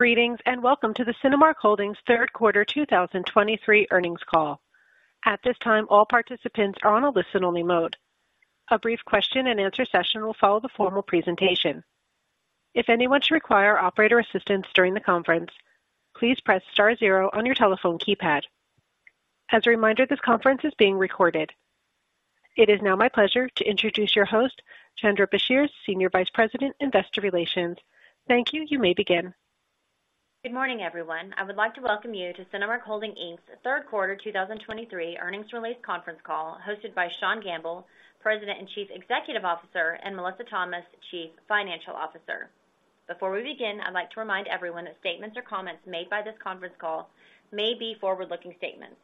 Greetings, and welcome to the Cinemark Holdings third quarter 2023 earnings call. At this time, all participants are on a listen-only mode. A brief question-and-answer session will follow the formal presentation. If anyone should require operator assistance during the conference, please press star zero on your telephone keypad. As a reminder, this conference is being recorded. It is now my pleasure to introduce your host, Chanda Brashears, Senior Vice President, Investor Relations. Thank you. You may begin. Good morning, everyone. I would like to welcome you to Cinemark Holdings Inc's third quarter 2023 earnings release conference call, hosted by Sean Gamble, President and Chief Executive Officer, and Melissa Thomas, Chief Financial Officer. Before we begin, I'd like to remind everyone that statements or comments made by this conference call may be forward-looking statements.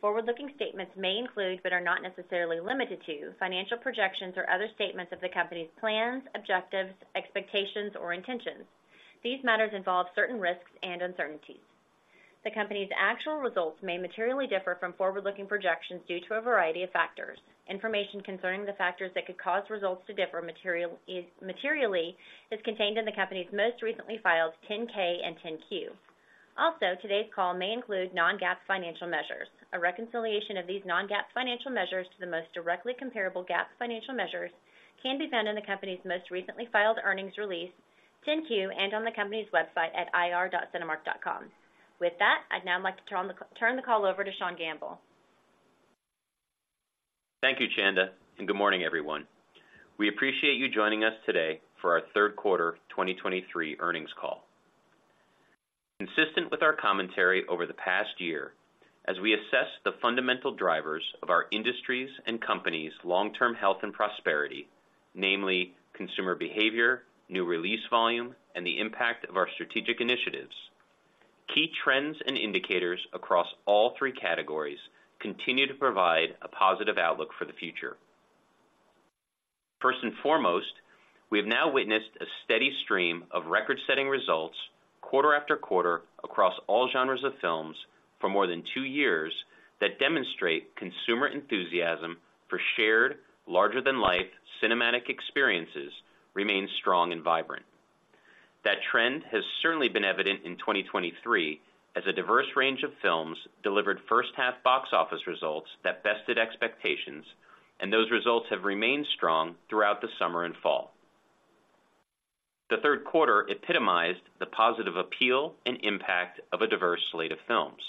Forward-looking statements may include, but are not necessarily limited to, financial projections or other statements of the company's plans, objectives, expectations, or intentions. These matters involve certain risks and uncertainties. The company's actual results may materially differ from forward-looking projections due to a variety of factors. Information concerning the factors that could cause results to differ materially is contained in the company's most recently filed 10-K and 10-Q. Also, today's call may include non-GAAP financial measures. A reconciliation of these non-GAAP financial measures to the most directly comparable GAAP financial measures can be found in the company's most recently filed earnings release, 10-Q, and on the company's website at ir.cinemark.com. With that, I'd now like to turn the call over to Sean Gamble. Thank you, Chanda, and good morning, everyone. We appreciate you joining us today for our third quarter 2023 earnings call. Consistent with our commentary over the past year, as we assess the fundamental drivers of our industries' and companies' long-term health and prosperity, namely consumer behavior, new release volume, and the impact of our strategic initiatives, key trends and indicators across all three categories continue to provide a positive outlook for the future. First and foremost, we have now witnessed a steady stream of record-setting results quarter after quarter, across all genres of films for more than two years, that demonstrate consumer enthusiasm for shared, larger-than-life cinematic experiences remains strong and vibrant. That trend has certainly been evident in 2023, as a diverse range of films delivered first half box office results that bested expectations, and those results have remained strong throughout the summer and fall. The third quarter epitomized the positive appeal and impact of a diverse slate of films.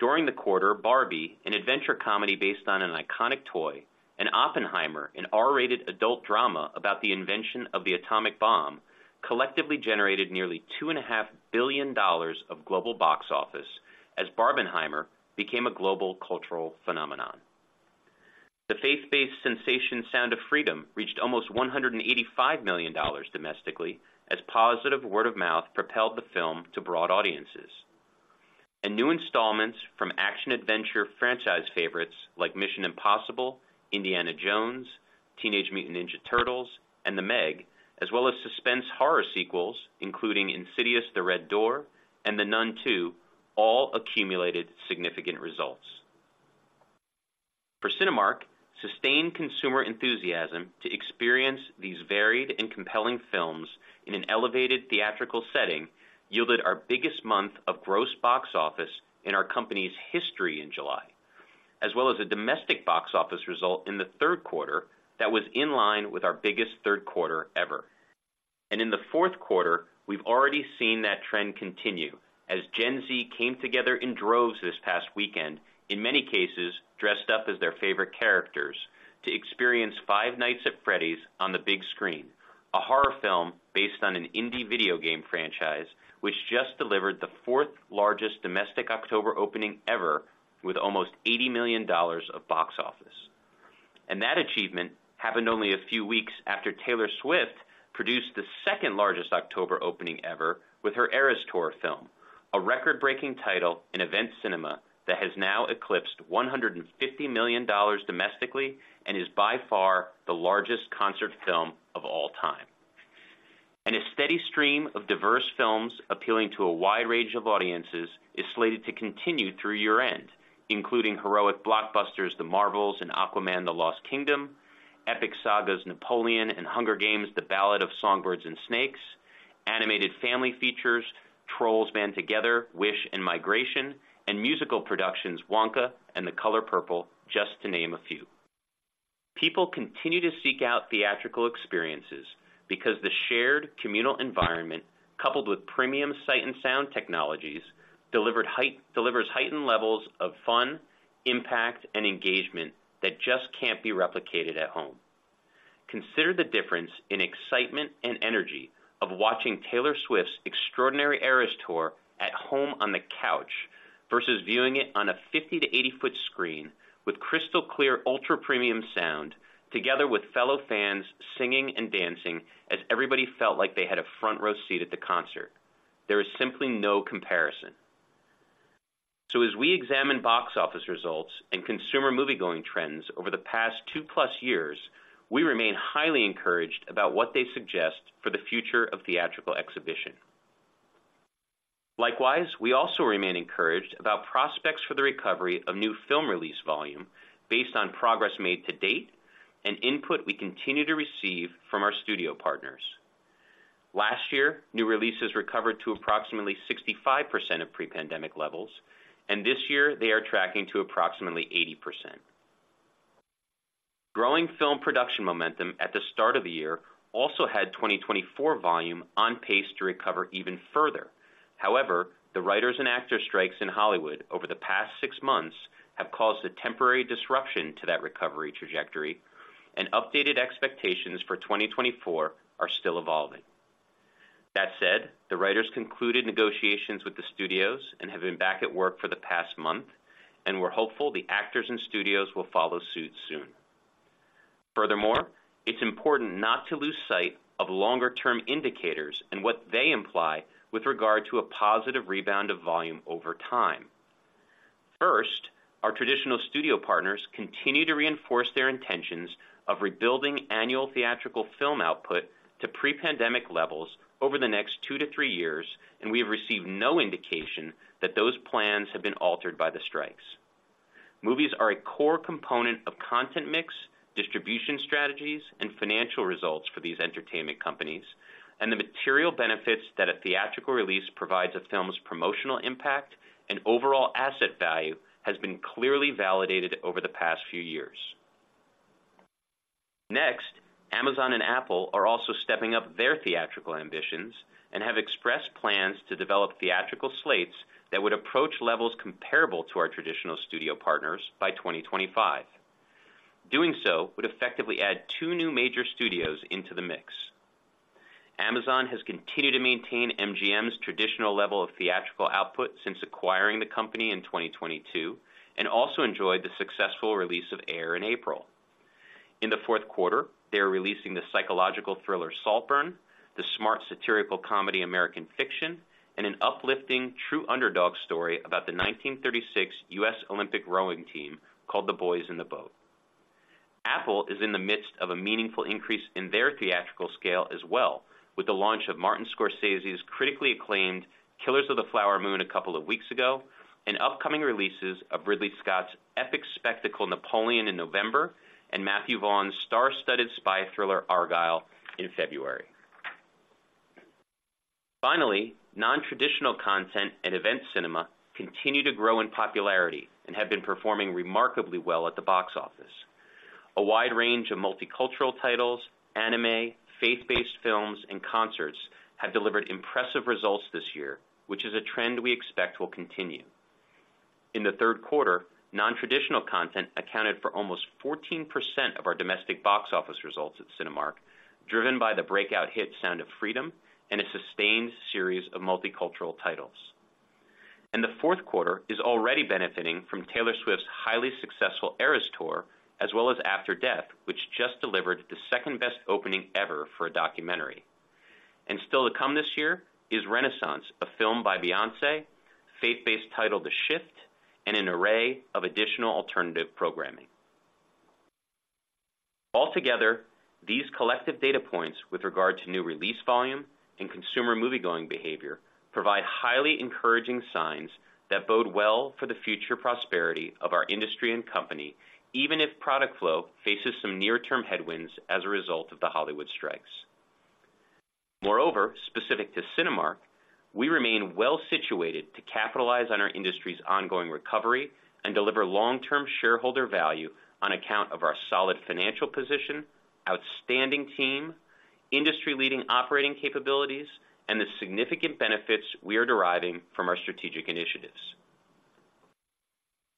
During the quarter, Barbie, an adventure comedy based on an iconic toy, and Oppenheimer, an R-rated adult drama about the invention of the atomic bomb, collectively generated nearly $2.5 billion of global box office as Barbenheimer became a global cultural phenomenon. The faith-based sensation Sound of Freedom reached almost $185 million domestically, as positive word of mouth propelled the film to broad audiences. New installments from action-adventure franchise favorites like Mission: Impossible, Indiana Jones, Teenage Mutant Ninja Turtles, and The Meg, as well as suspense horror sequels, including Insidious: The Red Door and The Nun II, all accumulated significant results. For Cinemark, sustained consumer enthusiasm to experience these varied and compelling films in an elevated theatrical setting yielded our biggest month of gross box office in our company's history in July, as well as a domestic box office result in the third quarter that was in line with our biggest third quarter ever. In the fourth quarter, we've already seen that trend continue as Gen Z came together in droves this past weekend, in many cases dressed up as their favorite characters, to experience Five Nights at Freddy's on the big screen, a horror film based on an indie video game franchise, which just delivered the fourth largest domestic October opening ever, with almost $80 million of box office. That achievement happened only a few weeks after Taylor Swift produced the second largest October opening ever with her Eras Tour film, a record-breaking title in event cinema that has now eclipsed $150 million domestically and is by far the largest concert film of all time. And a steady stream of diverse films appealing to a wide range of audiences is slated to continue through year-end, including heroic blockbusters The Marvels and Aquaman: The Lost Kingdom, epic sagas Napoleon and Hunger Games: The Ballad of Songbirds and Snakes, animated family features, Trolls Band Together, Wish, and Migration, and musical productions, Wonka and The Color Purple, just to name a few. People continue to seek out theatrical experiences because the shared communal environment, coupled with premium sight and sound technologies, delivers heightened levels of fun, impact, and engagement that just can't be replicated at home. Consider the difference in excitement and energy of watching Taylor Swift's extraordinary Eras Tour at home on the couch, versus viewing it on a 50-80 foot screen with crystal clear, ultra-premium sound together with fellow fans singing and dancing as everybody felt like they had a front row seat at the concert. There is simply no comparison. So as we examine box office results and consumer moviegoing trends over the past 2+ years, we remain highly encouraged about what they suggest for the future of theatrical exhibition. Likewise, we also remain encouraged about prospects for the recovery of new film release volume based on progress made to date and input we continue to receive from our studio partners. Last year, new releases recovered to approximately 65% of pre-pandemic levels, and this year, they are tracking to approximately 80%. Growing film production momentum at the start of the year also had 2024 volume on pace to recover even further. However, the writers and actors strikes in Hollywood over the past six months have caused a temporary disruption to that recovery trajectory, and updated expectations for 2024 are still evolving. That said, the writers concluded negotiations with the studios and have been back at work for the past month, and we're hopeful the actors and studios will follow suit soon. Furthermore, it's important not to lose sight of longer-term indicators and what they imply with regard to a positive rebound of volume over time. First, our traditional studio partners continue to reinforce their intentions of rebuilding annual theatrical film output to pre-pandemic levels over the next 2-3 years, and we have received no indication that those plans have been altered by the strikes. Movies are a core component of content mix, distribution strategies, and financial results for these entertainment companies, and the material benefits that a theatrical release provides a film's promotional impact and overall asset value, has been clearly validated over the past few years. Next, Amazon and Apple are also stepping up their theatrical ambitions and have expressed plans to develop theatrical slates that would approach levels comparable to our traditional studio partners by 2025. Doing so would effectively add two new major studios into the mix. Amazon has continued to maintain MGM's traditional level of theatrical output since acquiring the company in 2022, and also enjoyed the successful release of Air in April. In the fourth quarter, they are releasing the psychological thriller, Saltburn, the smart, satirical comedy, American Fiction, and an uplifting, true underdog story about the 1936 U.S. Olympic rowing team, called The Boys in the Boat. Apple is in the midst of a meaningful increase in their theatrical scale as well, with the launch of Martin Scorsese's critically acclaimed Killers of the Flower Moon a couple of weeks ago, and upcoming releases of Ridley Scott's epic spectacle, Napoleon, in November, and Matthew Vaughn's star-studded spy thriller, Argylle, in February. Finally, nontraditional content and event cinema continue to grow in popularity and have been performing remarkably well at the box office. A wide range of multicultural titles, anime, faith-based films, and concerts have delivered impressive results this year, which is a trend we expect will continue. In the third quarter, nontraditional content accounted for almost 14% of our domestic box office results at Cinemark, driven by the breakout hit, Sound of Freedom, and a sustained series of multicultural titles. The fourth quarter is already benefiting from Taylor Swift's highly successful Eras Tour, as well as After Death, which just delivered the second-best opening ever for a documentary. Still to come this year is Renaissance, a film by Beyoncé, faith-based title, The Shift, and an array of additional alternative programming. Altogether, these collective data points with regard to new release volume and consumer moviegoing behavior, provide highly encouraging signs that bode well for the future prosperity of our industry and company, even if product flow faces some near-term headwinds as a result of the Hollywood strikes. Moreover, specific to Cinemark, we remain well situated to capitalize on our industry's ongoing recovery and deliver long-term shareholder value on account of our solid financial position, outstanding team, industry-leading operating capabilities, and the significant benefits we are deriving from our strategic initiatives.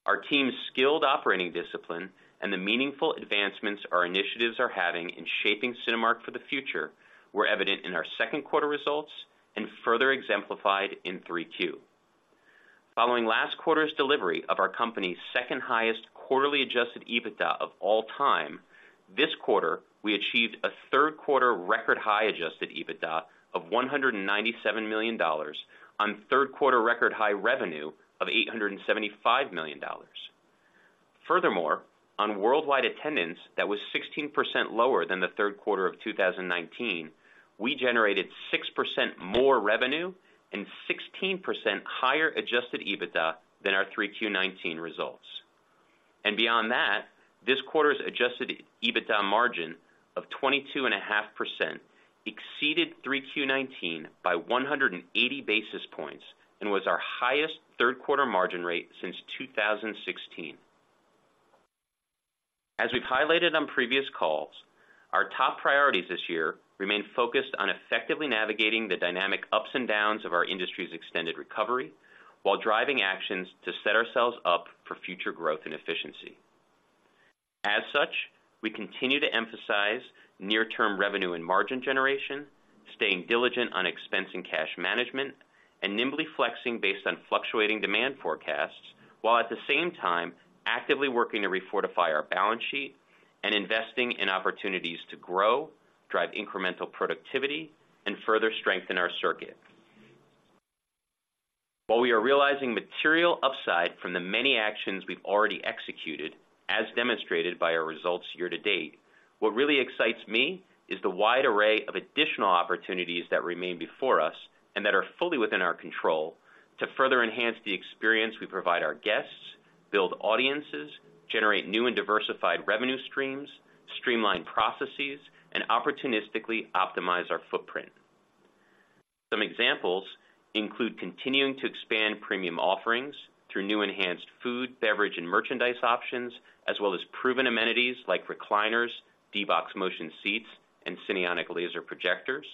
Our team's skilled operating discipline and the meaningful advancements our initiatives are having in shaping Cinemark for the future, were evident in our second quarter results and further exemplified in 3Q. Following last quarter's delivery of our company's second highest quarterly adjusted EBITDA of all time, this quarter, we achieved a third quarter record-high adjusted EBITDA of $197 million on third quarter record-high revenue of $875 million. Furthermore, on worldwide attendance, that was 16% lower than the third quarter of 2019, we generated 6% more revenue and 16% higher adjusted EBITDA than our 3Q19 results. And beyond that, this quarter's adjusted EBITDA margin of 22.5%, exceeded 3Q19 by 180 basis points and was our highest third quarter margin rate since 2016. As we've highlighted on previous calls, our top priorities this year remain focused on effectively navigating the dynamic ups and downs of our industry's extended recovery, while driving actions to set ourselves up for future growth and efficiency. As such, we continue to emphasize near-term revenue and margin generation, staying diligent on expense and cash management, and nimbly flexing based on fluctuating demand forecasts, while at the same time, actively working to refortify our balance sheet and investing in opportunities to grow, drive incremental productivity, and further strengthen our circuit. While we are realizing material upside from the many actions we've already executed, as demonstrated by our results year-to-date. What really excites me is the wide array of additional opportunities that remain before us, and that are fully within our control to further enhance the experience we provide our guests, build audiences, generate new and diversified revenue streams, streamline processes, and opportunistically optimize our footprint. Some examples include continuing to expand premium offerings through new enhanced food, beverage, and merchandise options, as well as proven amenities like recliners, D-BOX motion seats, and Cinionic laser projectors.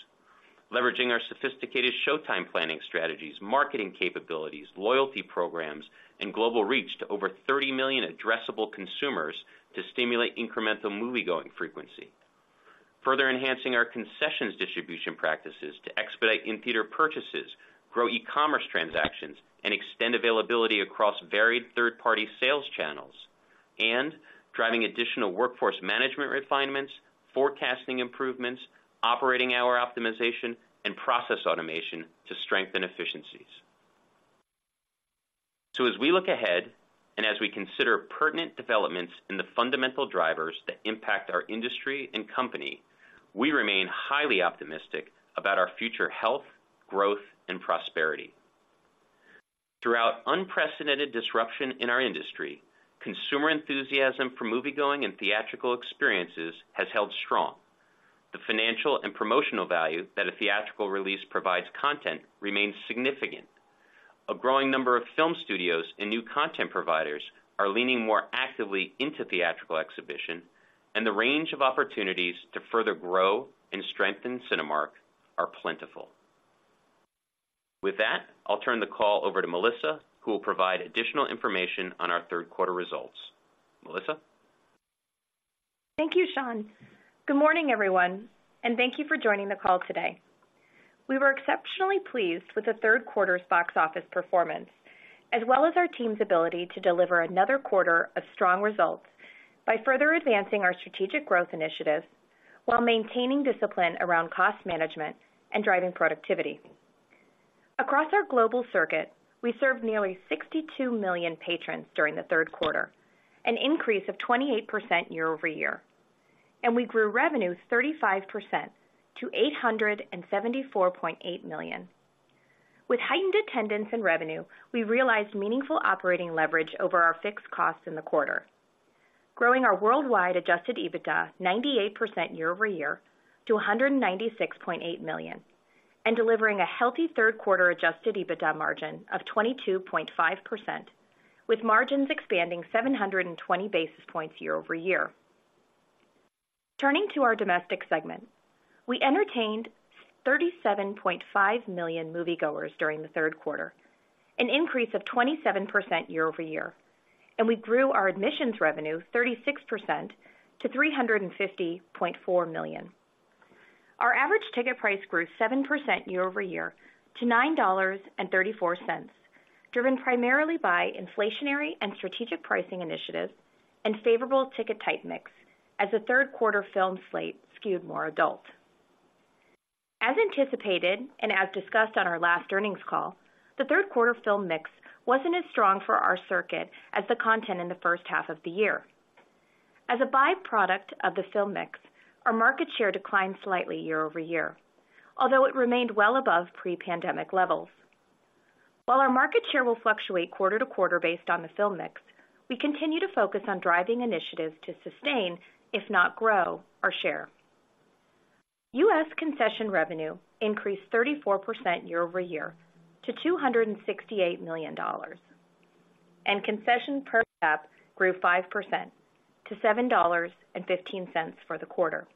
Leveraging our sophisticated showtime planning strategies, marketing capabilities, loyalty programs, and global reach to over 30 million addressable consumers to stimulate incremental moviegoing frequency. Further enhancing our concessions distribution practices to expedite in-theater purchases, grow e-commerce transactions, and extend availability across varied third-party sales channels, and driving additional workforce management refinements, forecasting improvements, operating hour optimization, and process automation to strengthen efficiencies. So as we look ahead, and as we consider pertinent developments in the fundamental drivers that impact our industry and company, we remain highly optimistic about our future health, growth, and prosperity. Throughout unprecedented disruption in our industry, consumer enthusiasm for moviegoing and theatrical experiences has held strong. The financial and promotional value that a theatrical release provides content remains significant. A growing number of film studios and new content providers are leaning more actively into theatrical exhibition, and the range of opportunities to further grow and strengthen Cinemark are plentiful. With that, I'll turn the call over to Melissa, who will provide additional information on our third quarter results. Melissa? Thank you, Sean. Good morning, everyone, and thank you for joining the call today. We were exceptionally pleased with the third quarter's box office performance, as well as our team's ability to deliver another quarter of strong results by further advancing our strategic growth initiatives while maintaining discipline around cost management and driving productivity. Across our global circuit, we served nearly 62 million patrons during the third quarter, an increase of 28% year-over-year, and we grew revenue 35% to $874.8 million. With heightened attendance and revenue, we realized meaningful operating leverage over our fixed costs in the quarter, growing our worldwide adjusted EBITDA 98% year-over-year to $196.8 million, and delivering a healthy third quarter adjusted EBITDA margin of 22.5%, with margins expanding 720 basis points year-over-year. Turning to our domestic segment, we entertained 37.5 million moviegoers during the third quarter, an increase of 27% year-over-year, and we grew our admissions revenue 36% to $350.4 million. Our average ticket price grew 7% year-over-year to $9.34, driven primarily by inflationary and strategic pricing initiatives and favorable ticket type mix as the third quarter film slate skewed more adult. As anticipated, and as discussed on our last earnings call, the third quarter film mix wasn't as strong for our circuit as the content in the first half of the year. As a byproduct of the film mix, our market share declined slightly year-over-year, although it remained well above pre-pandemic levels. While our market share will fluctuate quarter-to-quarter based on the film mix, we continue to focus on driving initiatives to sustain, if not grow, our share. U.S. concession revenue increased 34% year-over-year to $268 million, and concession per cap grew 5% to $7.15 for the quarter,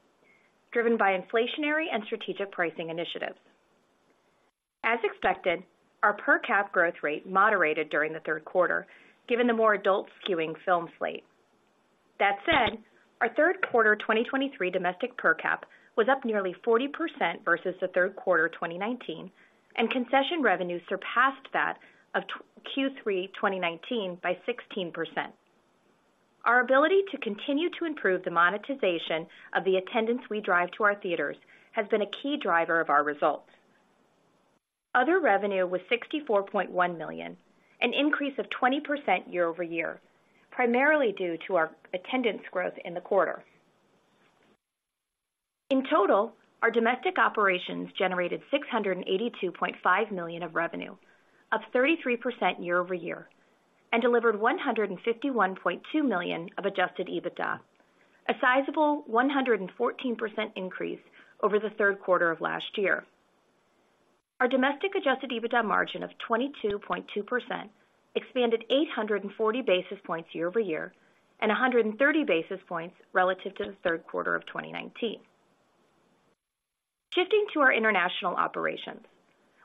driven by inflationary and strategic pricing initiatives. As expected, our per cap growth rate moderated during the third quarter, given the more adult-skewing film slate. That said, our third quarter 2023 domestic per cap was up nearly 40% versus the third quarter 2019, and concession revenue surpassed that of Q3 2019 by 16%. Our ability to continue to improve the monetization of the attendance we drive to our theaters has been a key driver of our results. Other revenue was $64.1 million, an increase of 20% year-over-year, primarily due to our attendance growth in the quarter. In total, our domestic operations generated $682.5 million of revenue, up 33% year-over-year, and delivered $151.2 million of adjusted EBITDA, a sizable 114% increase over the third quarter of last year. Our domestic adjusted EBITDA margin of 22.2% expanded 840 basis points year-over-year and 130 basis points relative to the third quarter of 2019. Shifting to our international operations,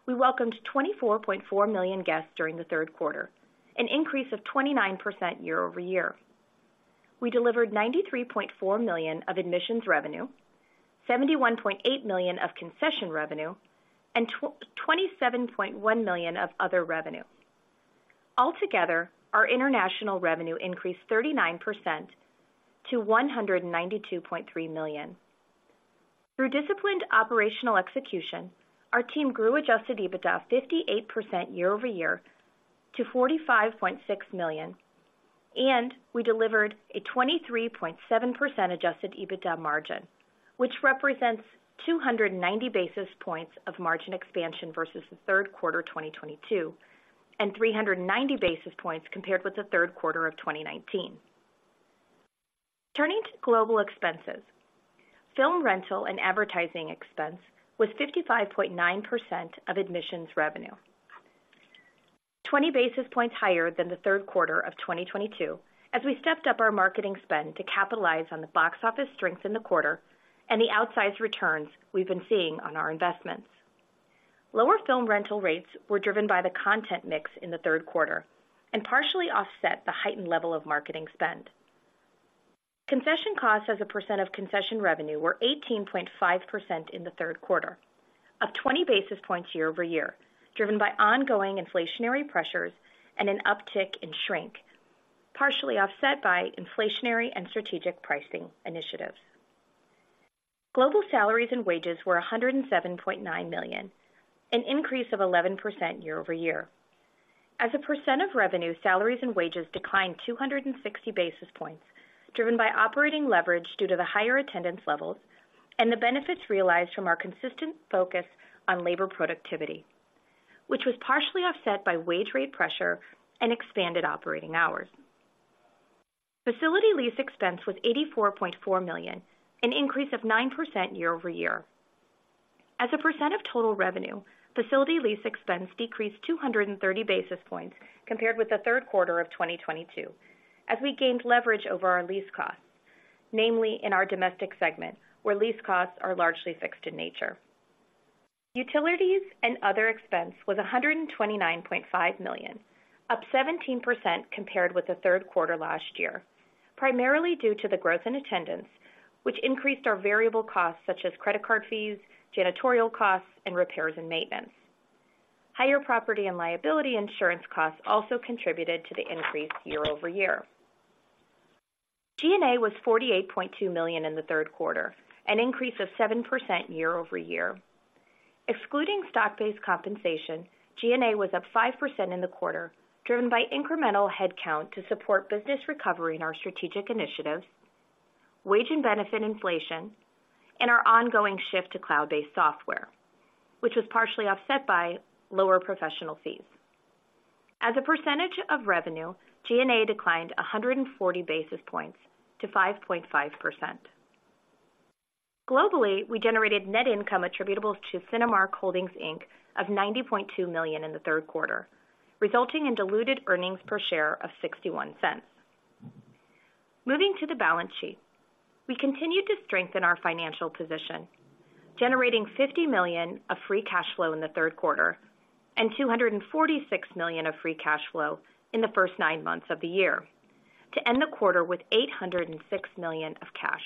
we welcomed 24.4 million guests during the third quarter, an increase of 29% year-over-year. We delivered $93.4 million of admissions revenue, $71.8 million of concession revenue, and $27.1 million of other revenue. Altogether, our international revenue increased 39% to $192.3 million. Through disciplined operational execution, our team grew adjusted EBITDA 58% year-over-year to $45.6 million, and we delivered a 23.7% adjusted EBITDA margin, which represents 290 basis points of margin expansion versus the third quarter 2022, and 390 basis points compared with the third quarter of 2019. Turning to global expenses. Film rental and advertising expense was 55.9% of admissions revenue, 20 basis points higher than the third quarter of 2022, as we stepped up our marketing spend to capitalize on the box office strength in the quarter and the outsized returns we've been seeing on our investments. Lower film rental rates were driven by the content mix in the third quarter and partially offset the heightened level of marketing spend. Concession costs as a percent of concession revenue were 18.5% in the third quarter, up 20 basis points year-over-year, driven by ongoing inflationary pressures and an uptick in shrink, partially offset by inflationary and strategic pricing initiatives. Global salaries and wages were $107.9 million, an increase of 11% year-over-year. As a percent of revenue, salaries and wages declined 260 basis points, driven by operating leverage due to the higher attendance levels and the benefits realized from our consistent focus on labor productivity, which was partially offset by wage rate pressure and expanded operating hours. Facility lease expense was $84.4 million, an increase of 9% year-over-year. As a percent of total revenue, facility lease expense decreased 230 basis points compared with the third quarter of 2022, as we gained leverage over our lease costs, namely in our domestic segment, where lease costs are largely fixed in nature. Utilities and other expense was $129.5 million, up 17% compared with the third quarter last year, primarily due to the growth in attendance, which increased our variable costs, such as credit card fees, janitorial costs and repairs and maintenance. Higher property and liability insurance costs also contributed to the increase year-over-year. G&A was $48.2 million in the third quarter, an increase of 7% year-over-year. Excluding stock-based compensation, G&A was up 5% in the quarter, driven by incremental headcount to support business recovery in our strategic initiatives, wage and benefit inflation, and our ongoing shift to cloud-based software, which was partially offset by lower professional fees. As a percentage of revenue, G&A declined 140 basis points to 5.5%. Globally, we generated net income attributable to Cinemark Holdings, Inc of $90.2 million in the third quarter, resulting in diluted earnings per share of $0.61. Moving to the balance sheet. We continued to strengthen our financial position, generating $50 million of free cash flow in the third quarter and $246 million of free cash flow in the first nine months of the year to end the quarter with $806 million of cash.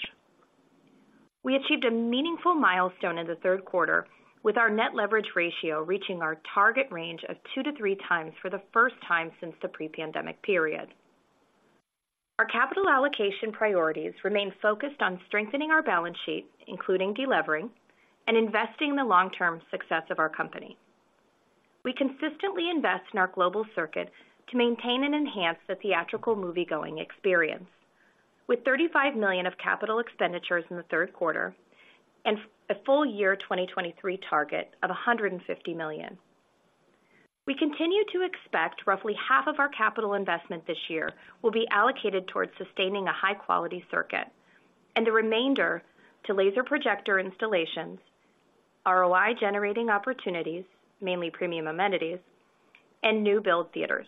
We achieved a meaningful milestone in the third quarter, with our net leverage ratio reaching our target range of 2-3 times for the first time since the pre-pandemic period. Our capital allocation priorities remain focused on strengthening our balance sheet, including delevering and investing in the long-term success of our company. We consistently invest in our global circuit to maintain and enhance the theatrical moviegoing experience. With $35 million of capital expenditures in the third quarter and a full year 2023 target of $150 million. We continue to expect roughly half of our capital investment this year will be allocated towards sustaining a high-quality circuit and the remainder to laser projector installations, ROI-generating opportunities, mainly premium amenities and new build theaters.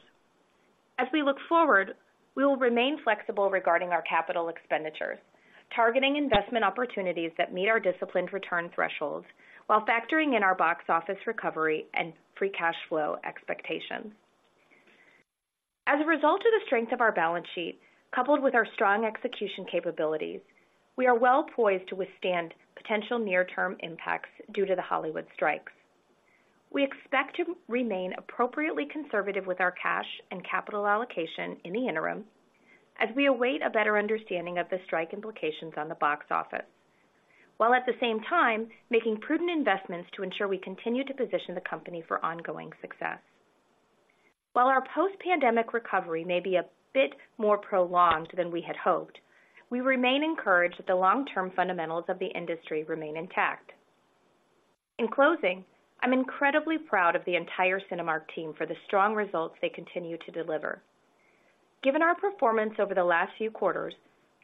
As we look forward, we will remain flexible regarding our capital expenditures, targeting investment opportunities that meet our disciplined return thresholds while factoring in our box office recovery and free cash flow expectations. As a result of the strength of our balance sheet, coupled with our strong execution capabilities, we are well poised to withstand potential near-term impacts due to the Hollywood strikes. We expect to remain appropriately conservative with our cash and capital allocation in the interim as we await a better understanding of the strike implications on the box office, while at the same time making prudent investments to ensure we continue to position the company for ongoing success. While our post-pandemic recovery may be a bit more prolonged than we had hoped, we remain encouraged that the long-term fundamentals of the industry remain intact. In closing, I'm incredibly proud of the entire Cinemark team for the strong results they continue to deliver. Given our performance over the last few quarters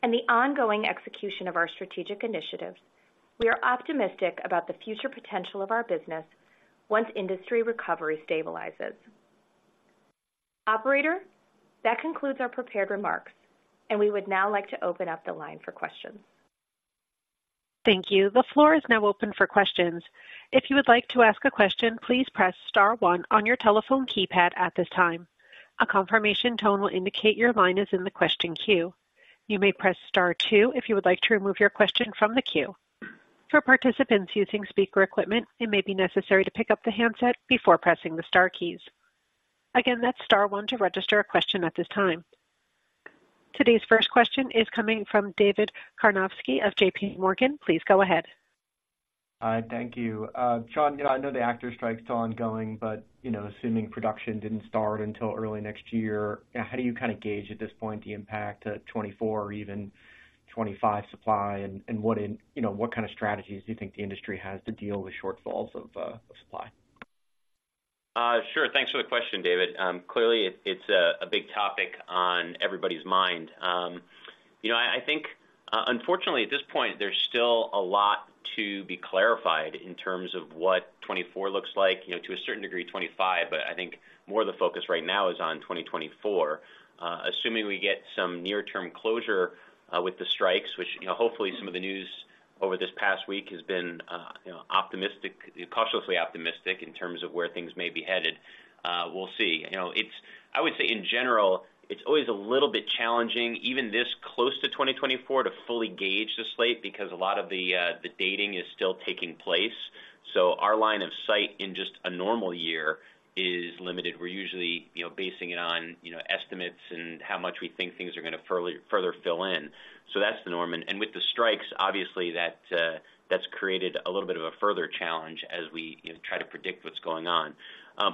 and the ongoing execution of our strategic initiatives, we are optimistic about the future potential of our business once industry recovery stabilizes. Operator, that concludes our prepared remarks, and we would now like to open up the line for questions. Thank you. The floor is now open for questions. If you would like to ask a question, please press star one on your telephone keypad at this time. A confirmation tone will indicate your line is in the question queue. You may press star two if you would like to remove your question from the queue. For participants using speaker equipment, it may be necessary to pick up the handset before pressing the star keys. Again, that's star one to register a question at this time. Today's first question is coming from David Karnovsky of JP Morgan. Please go ahead. Hi, thank you. Sean, you know, I know the actor strike is still ongoing, but, you know, assuming production didn't start until early next year, how do you kind of gauge at this point the impact to 2024 or even 2025 supply? And, you know, what kind of strategies do you think the industry has to deal with shortfalls of supply? Sure. Thanks for the question, David. Clearly, it's a big topic on everybody's mind. You know, I think, unfortunately, at this point, there's still a lot to be clarified in terms of what 2024 looks like, you know, to a certain degree, 2025, but I think more of the focus right now is on 2024. Assuming we get some near-term closure with the strikes, which, you know, hopefully some of the news over this past week has been, you know, optimistic, cautiously optimistic in terms of where things may be headed. We'll see. You know, it's. I would say in general, it's always a little bit challenging, even this close to 2024, to fully gauge the slate because a lot of the the dating is still taking place. So our line of sight in just a normal year is limited. We're usually, you know, basing it on, you know, estimates and how much we think things are gonna further fill in. So that's the norm. And with the strikes, obviously, that's created a little bit of a further challenge as we, you know, try to predict what's going on.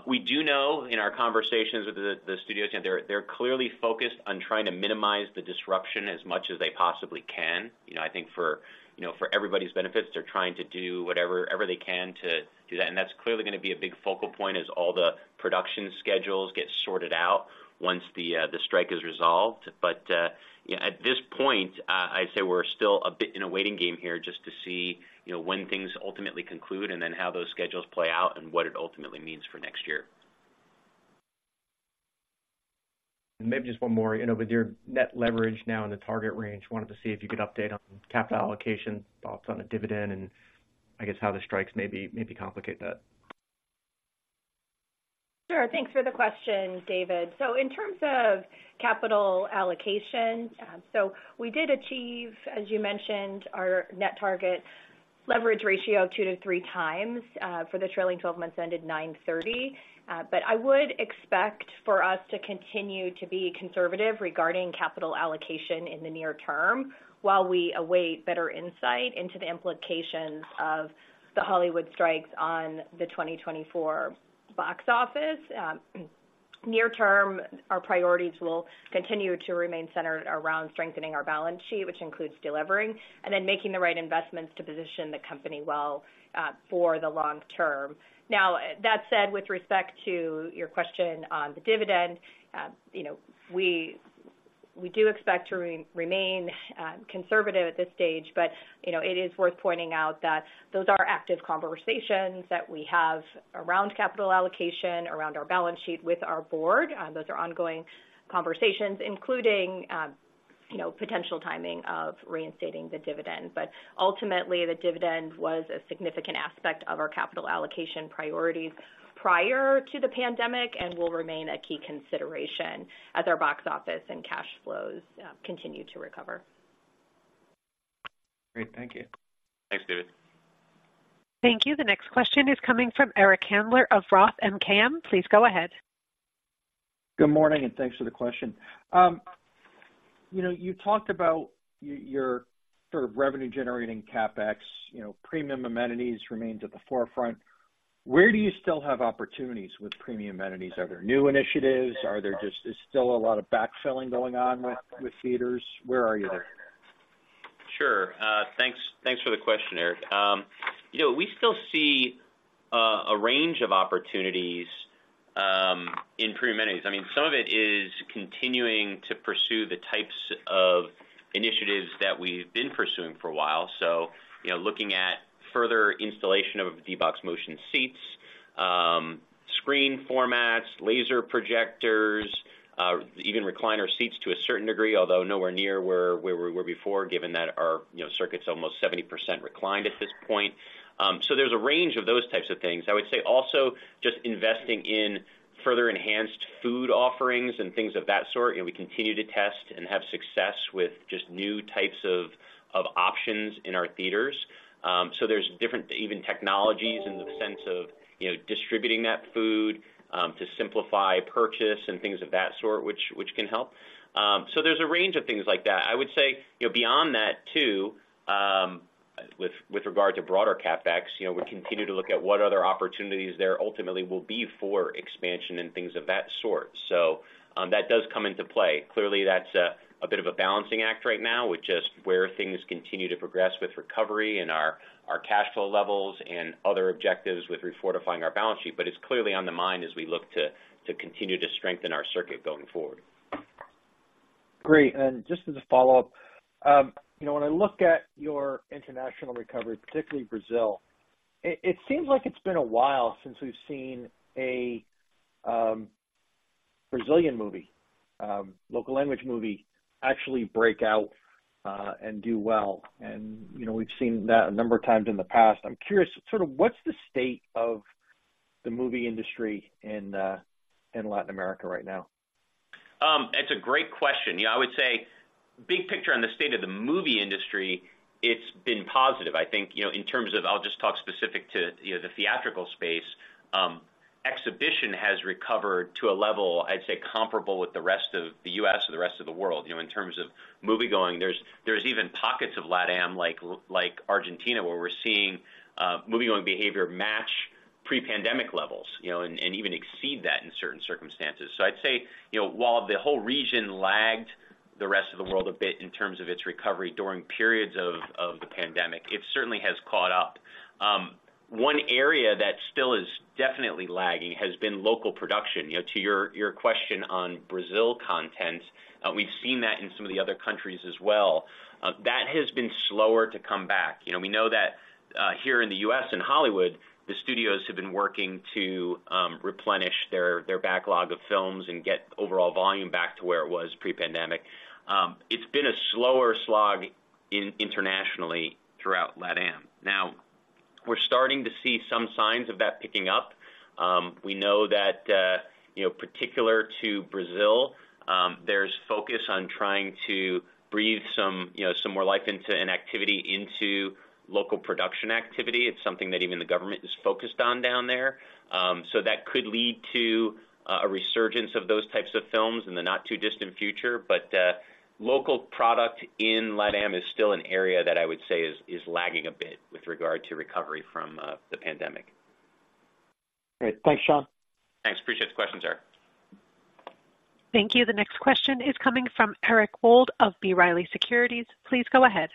We do know in our conversations with the studios, that they're clearly focused on trying to minimize the disruption as much as they possibly can. You know, I think for, you know, for everybody's benefits, they're trying to do whatever they can to do that. And that's clearly gonna be a big focal point as all the production schedules get sorted out once the strike is resolved. Yeah, at this point, I'd say we're still a bit in a waiting game here just to see, you know, when things ultimately conclude and then how those schedules play out and what it ultimately means for next year. Maybe just one more. You know, with your net leverage now in the target range, wanted to see if you could update on capital allocation, thoughts on the dividend, and I guess how the strikes maybe complicate that? Sure. Thanks for the question, David. So in terms of capital allocation, so we did achieve, as you mentioned, our net target leverage ratio of 2x-3x, for the trailing twelve months, ended 9/30. But I would expect for us to continue to be conservative regarding capital allocation in the near term, while we await better insight into the implications of the Hollywood strikes on the 2024 box office. Near term, our priorities will continue to remain centered around strengthening our balance sheet, which includes delivering and then making the right investments to position the company well, for the long term. Now, that said, with respect to your question on the dividend, you know, we do expect to remain conservative at this stage, but, you know, it is worth pointing out that those are active conversations that we have around capital allocation, around our balance sheet with our board. Those are ongoing conversations, including, you know, potential timing of reinstating the dividend. But ultimately, the dividend was a significant aspect of our capital allocation priorities prior to the pandemic and will remain a key consideration as our box office and cash flows continue to recover. Great. Thank you. Thanks, David. Thank you. The next question is coming from Eric Handler of Roth MKM. Please go ahead. Good morning, and thanks for the question. You know, you talked about your sort of revenue-generating CapEx, you know, premium amenities remains at the forefront. Where do you still have opportunities with premium amenities? Are there new initiatives? Is there still a lot of backfilling going on with theaters? Where are you there? Sure. Thanks, thanks for the question, Eric. You know, we still see a range of opportunities in premium amenities. I mean, some of it is continuing to pursue the types of initiatives that we've been pursuing for a while. So you know, looking at further installation of D-Box motion seats, screen formats, laser projectors, even recliner seats to a certain degree, although nowhere near where we were before, given that our circuit's almost 70% reclined at this point. So there's a range of those types of things. I would say also just investing in further enhanced food offerings and things of that sort. You know, we continue to test and have success with just new types of options in our theaters. So there's different, even technologies in the sense of, you know, distributing that food, to simplify purchase and things of that sort, which, which can help. So there's a range of things like that. I would say, you know, beyond that too, with, with regard to broader CapEx, you know, we continue to look at what other opportunities there ultimately will be for expansion and things of that sort. So, that does come into play. Clearly, that's a bit of a balancing act right now with just where things continue to progress with recovery and our, our cash flow levels and other objectives with refortifying our balance sheet. But it's clearly on the mind as we look to, to continue to strengthen our circuit going forward. Great. And just as a follow-up, you know, when I look at your international recovery, particularly Brazil, it seems like it's been a while since we've seen a Brazilian movie, local language movie, actually break out, and do well. And, you know, we've seen that a number of times in the past. I'm curious, sort of what's the state of the movie industry in Latin America right now? It's a great question. You know, I would say, big picture on the state of the movie industry, it's been positive. I think, you know, in terms of, I'll just talk specific to, you know, the theatrical space, exhibition has recovered to a level, I'd say, comparable with the rest of the U.S. or the rest of the world. You know, in terms of moviegoing, there's even pockets of LatAm, like Argentina, where we're seeing moviegoing behavior match pre-pandemic levels, you know, and even exceed that in certain circumstances. So I'd say, you know, while the whole region lagged the rest of the world a bit in terms of its recovery during periods of the pandemic, it certainly has caught up. One area that still is definitely lagging has been local production. You know, to your question on Brazil content, we've seen that in some of the other countries as well. That has been slower to come back. You know, we know that, here in the U.S. and Hollywood, the studios have been working to, replenish their backlog of films and get overall volume back to where it was pre-pandemic. It's been a slower slog internationally throughout LatAm. Now, we're starting to see some signs of that picking up. We know that, you know, particular to Brazil, there's focus on trying to breathe some, you know, some more life into local production activity. It's something that even the government is focused on down there. So that could lead to, a resurgence of those types of films in the not-too-distant future. But local product in LatAm is still an area that I would say is lagging a bit with regard to recovery from the pandemic. Great. Thanks, Sean. Thanks. Appreciate the question, sir. Thank you. The next question is coming from Eric Wold of B. Riley Securities. Please go ahead.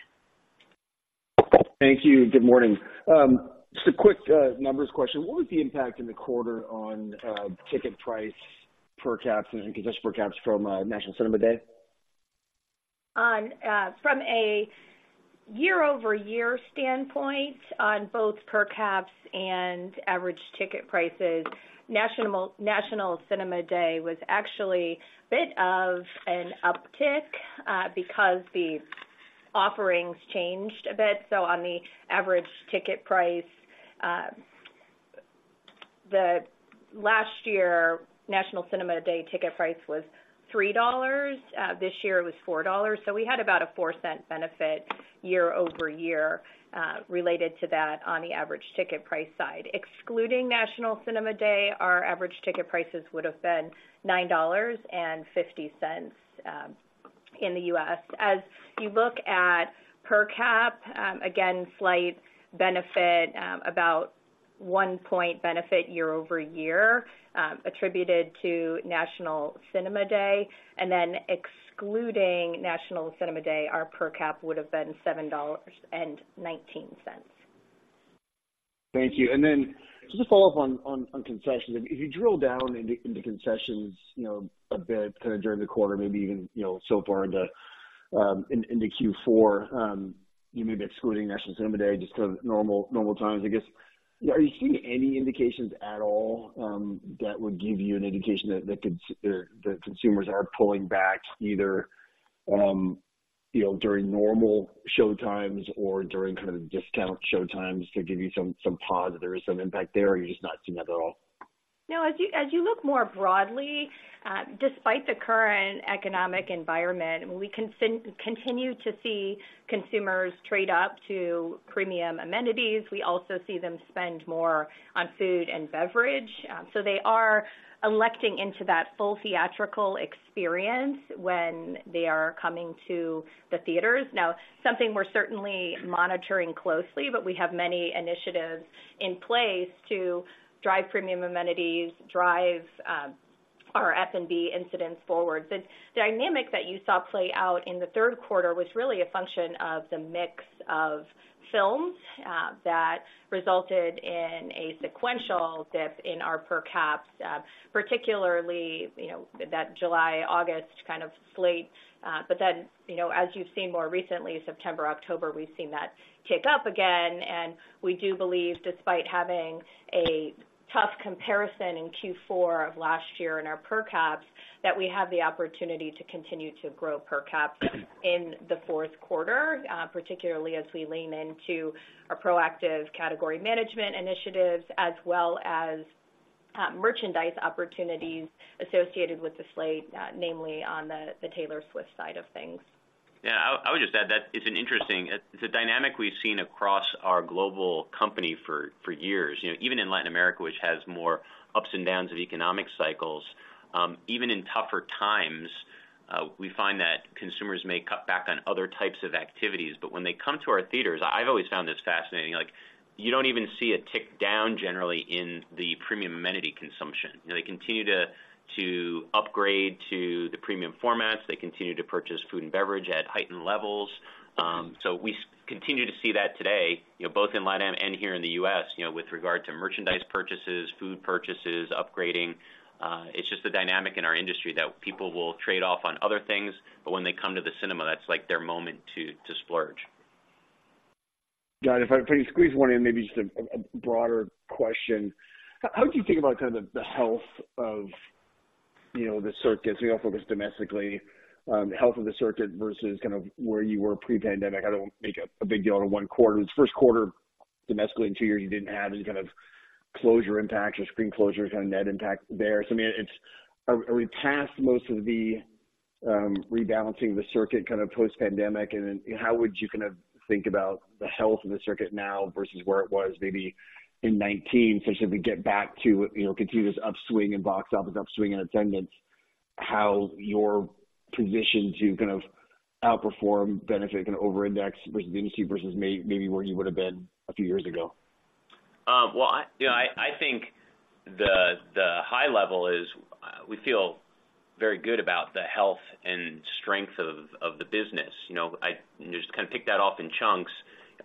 Thank you. Good morning. Just a quick numbers question. What was the impact in the quarter on ticket price per cap and concessions per cap from National Cinema Day? From a year-over-year standpoint on both per caps and average ticket prices, National Cinema Day was actually a bit of an uptick, because the offerings changed a bit. So on the average ticket price, the last year, National Cinema Day ticket price was $3, this year it was $4. So we had about a $0.04 benefit year-over-year, related to that on the average ticket price side. Excluding National Cinema Day, our average ticket prices would have been $9.50, in the U.S. As you look at per cap, again, slight benefit, about $0.01 benefit year-over-year, attributed to National Cinema Day, and then excluding National Cinema Day, our per cap would have been $7.19. Thank you. And then just a follow-up on concessions. If you drill down into concessions, you know, a bit kind of during the quarter, maybe even, you know, so far into Q4, you may be excluding National Cinema Day, just kind of normal times, I guess. Are you seeing any indications at all that would give you an indication that the consumers are pulling back either, you know, during normal showtimes or during kind of discount showtimes to give you some pause that there is some impact there, or you're just not seeing that at all? No, as you look more broadly, despite the current economic environment, we continue to see consumers trade up to premium amenities. We also see them spend more on food and beverage, so they are electing into that full theatrical experience when they are coming to the theaters. Now, something we're certainly monitoring closely, but we have many initiatives in place to drive premium amenities, drive our F&B initiatives forward. The dynamic that you saw play out in the third quarter was really a function of the mix of films that resulted in a sequential dip in our per caps, particularly, you know, that July, August kind of slate. But then, you know, as you've seen more recently, September, October, we've seen that tick up again. We do believe, despite having a tough comparison in Q4 of last year in our per caps, that we have the opportunity to continue to grow per cap in the fourth quarter, particularly as we lean into our proactive category management initiatives as well as merchandise opportunities associated with the slate, namely on the Taylor Swift side of things. Yeah, I would just add that it's an interesting. It's a dynamic we've seen across our global company for years. You know, even in Latin America, which has more ups and downs of economic cycles, even in tougher times, we find that consumers may cut back on other types of activities, but when they come to our theaters, I've always found this fascinating, like, you don't even see a tick down generally in the premium amenity consumption. You know, they continue to upgrade to the premium formats. They continue to purchase food and beverage at heightened levels. So we continue to see that today, you know, both in LatAm and here in the U.S., you know, with regard to merchandise purchases, food purchases, upgrading. It's just a dynamic in our industry that people will trade off on other things, but when they come to the cinema, that's like their moment to, to splurge. Got it. If I could squeeze one in, maybe just a broader question. How do you think about kind of the health of, you know, the circuits? We all focus domestically, the health of the circuit versus kind of where you were pre-pandemic. I don't make a big deal out of one quarter. It's first quarter, domestically, in two years, you didn't have any kind of closure impacts or screen closures, kind of net impact there. So, I mean, it's. Are we past most of the rebalancing the circuit kind of post-pandemic, and then how would you kind of think about the health of the circuit now versus where it was maybe in 2019, so as we get back to, you know, continuous upswing in box office, upswing in attendance, how you're positioned to kind of outperform, benefit, and over-index versus the industry, versus maybe where you would have been a few years ago? Well, you know, I think the high level is, we feel very good about the health and strength of the business. You know, I just kind of pick that off in chunks.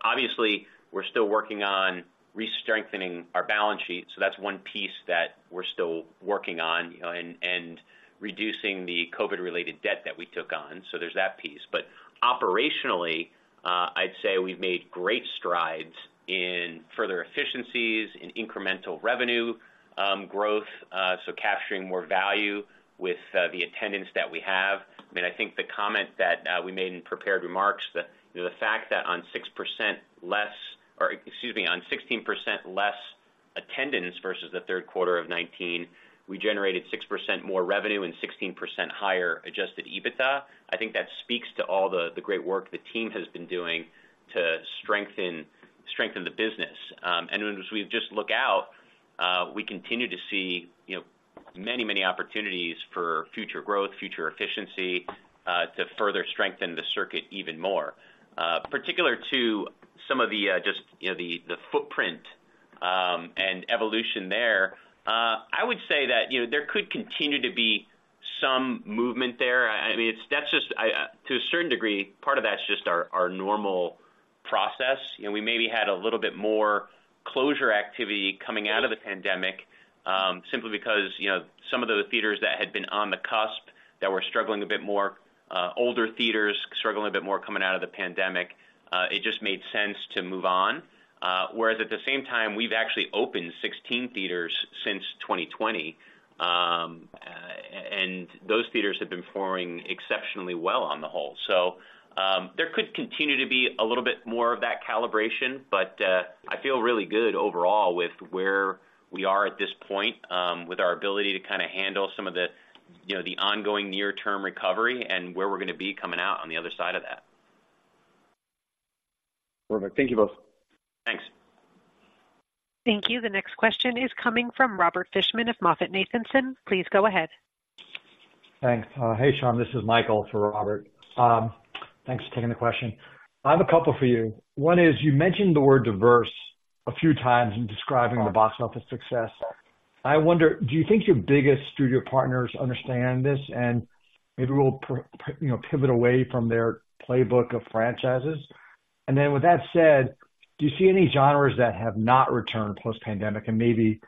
Obviously, we're still working on restrengthening our balance sheet, so that's one piece that we're still working on, you know, and reducing the COVID-related debt that we took on. So there's that piece. But operationally, I'd say we've made great strides in further efficiencies, in incremental revenue growth, so capturing more value with the attendance that we have. I mean, I think the comment that we made in prepared remarks, you know, the fact that on 6% less, or excuse me, on 16% less attendance versus the third quarter of 2019, we generated 6% more revenue and 16% higher adjusted EBITDA. I think that speaks to all the great work the team has been doing to strengthen the business. As we just look out, we continue to see, you know, many, many opportunities for future growth, future efficiency, to further strengthen the circuit even more. Particular to some of the, just, you know, the footprint and evolution there, I would say that, you know, there could continue to be some movement there. I mean, it's that just to a certain degree part of that's just our normal process, and we maybe had a little bit more closure activity coming out of the pandemic, simply because, you know, some of the theaters that had been on the cusp, that were struggling a bit more, older theaters struggling a bit more coming out of the pandemic, it just made sense to move on. Whereas at the same time, we've actually opened 16 theaters since 2020, and those theaters have been performing exceptionally well on the whole. So, there could continue to be a little bit more of that calibration, but, I feel really good overall with where we are at this point, with our ability to kinda handle some of the, you know, the ongoing near-term recovery and where we're gonna be coming out on the other side of that. Perfect. Thank you both. Thanks. Thank you. The next question is coming from Robert Fishman of MoffettNathanson. Please go ahead. Thanks. Hey, Sean, this is Michael, for Robert. Thanks for taking the question. I have a couple for you. One is, you mentioned the word diverse a few times in describing the box office success. I wonder, do you think your biggest studio partners understand this, and maybe we'll you know, pivot away from their playbook of franchises? And then with that said, do you see any genres that have not returned post-pandemic and may be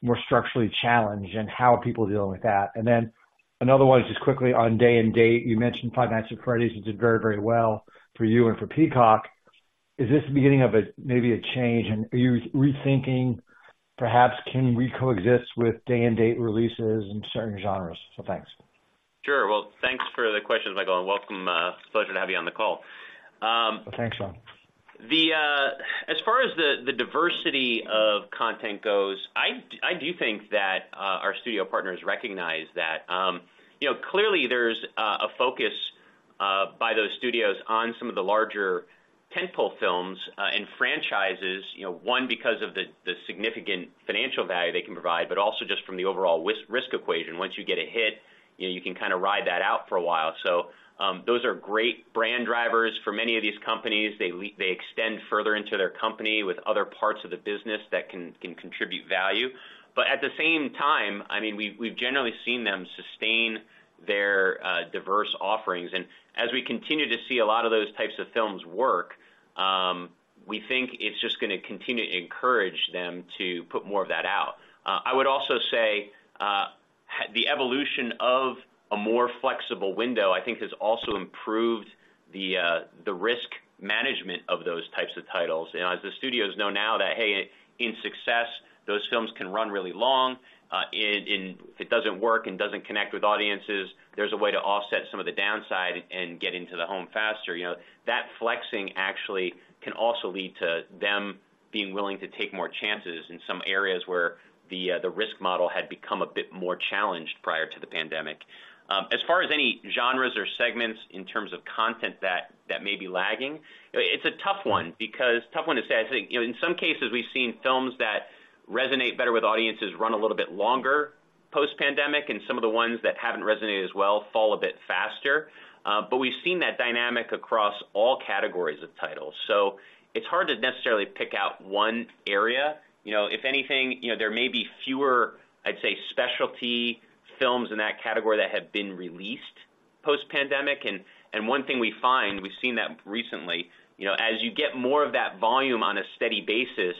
more structurally challenged, and how are people dealing with that? And then another one, just quickly on day-and-date, you mentioned Five Nights at Freddy's, it did very, very well for you and for Peacock. Is this the beginning of a, maybe a change, and are you rethinking, perhaps, can we coexist with day-and-date releases in certain genres? So thanks. Sure. Well, thanks for the questions, Michael, and welcome, pleasure to have you on the call. Thanks, Sean. As far as the diversity of content goes, I do think that our studio partners recognize that. You know, clearly there's a focus by those studios on some of the larger tentpole films and franchises, you know, because of the significant financial value they can provide, but also just from the overall risk equation. Once you get a hit, you know, you can kind of ride that out for a while. So, those are great brand drivers for many of these companies. They extend further into their company with other parts of the business that can contribute value. But at the same time, I mean, we, we've generally seen them sustain their, diverse offerings, and as we continue to see a lot of those types of films work, we think it's just gonna continue to encourage them to put more of that out. I would also say, the evolution of a more flexible window, I think, has also improved the, the risk management of those types of titles. And as the studios know now that, hey, in success, those films can run really long. And, and if it doesn't work and doesn't connect with audiences, there's a way to offset some of the downside and get into the home faster. You know, that flexing actually can also lead to them being willing to take more chances in some areas where the risk model had become a bit more challenged prior to the pandemic. As far as any genres or segments in terms of content that may be lagging, it's a tough one because. Tough one to say. I think, you know, in some cases, we've seen films that resonate better with audiences run a little bit longer post-pandemic, and some of the ones that haven't resonated as well fall a bit faster. But we've seen that dynamic across all categories of titles, so it's hard to necessarily pick out one area. You know, if anything, you know, there may be fewer, I'd say, specialty films in that category that have been released post-pandemic. One thing we find, we've seen that recently, you know, as you get more of that volume on a steady basis,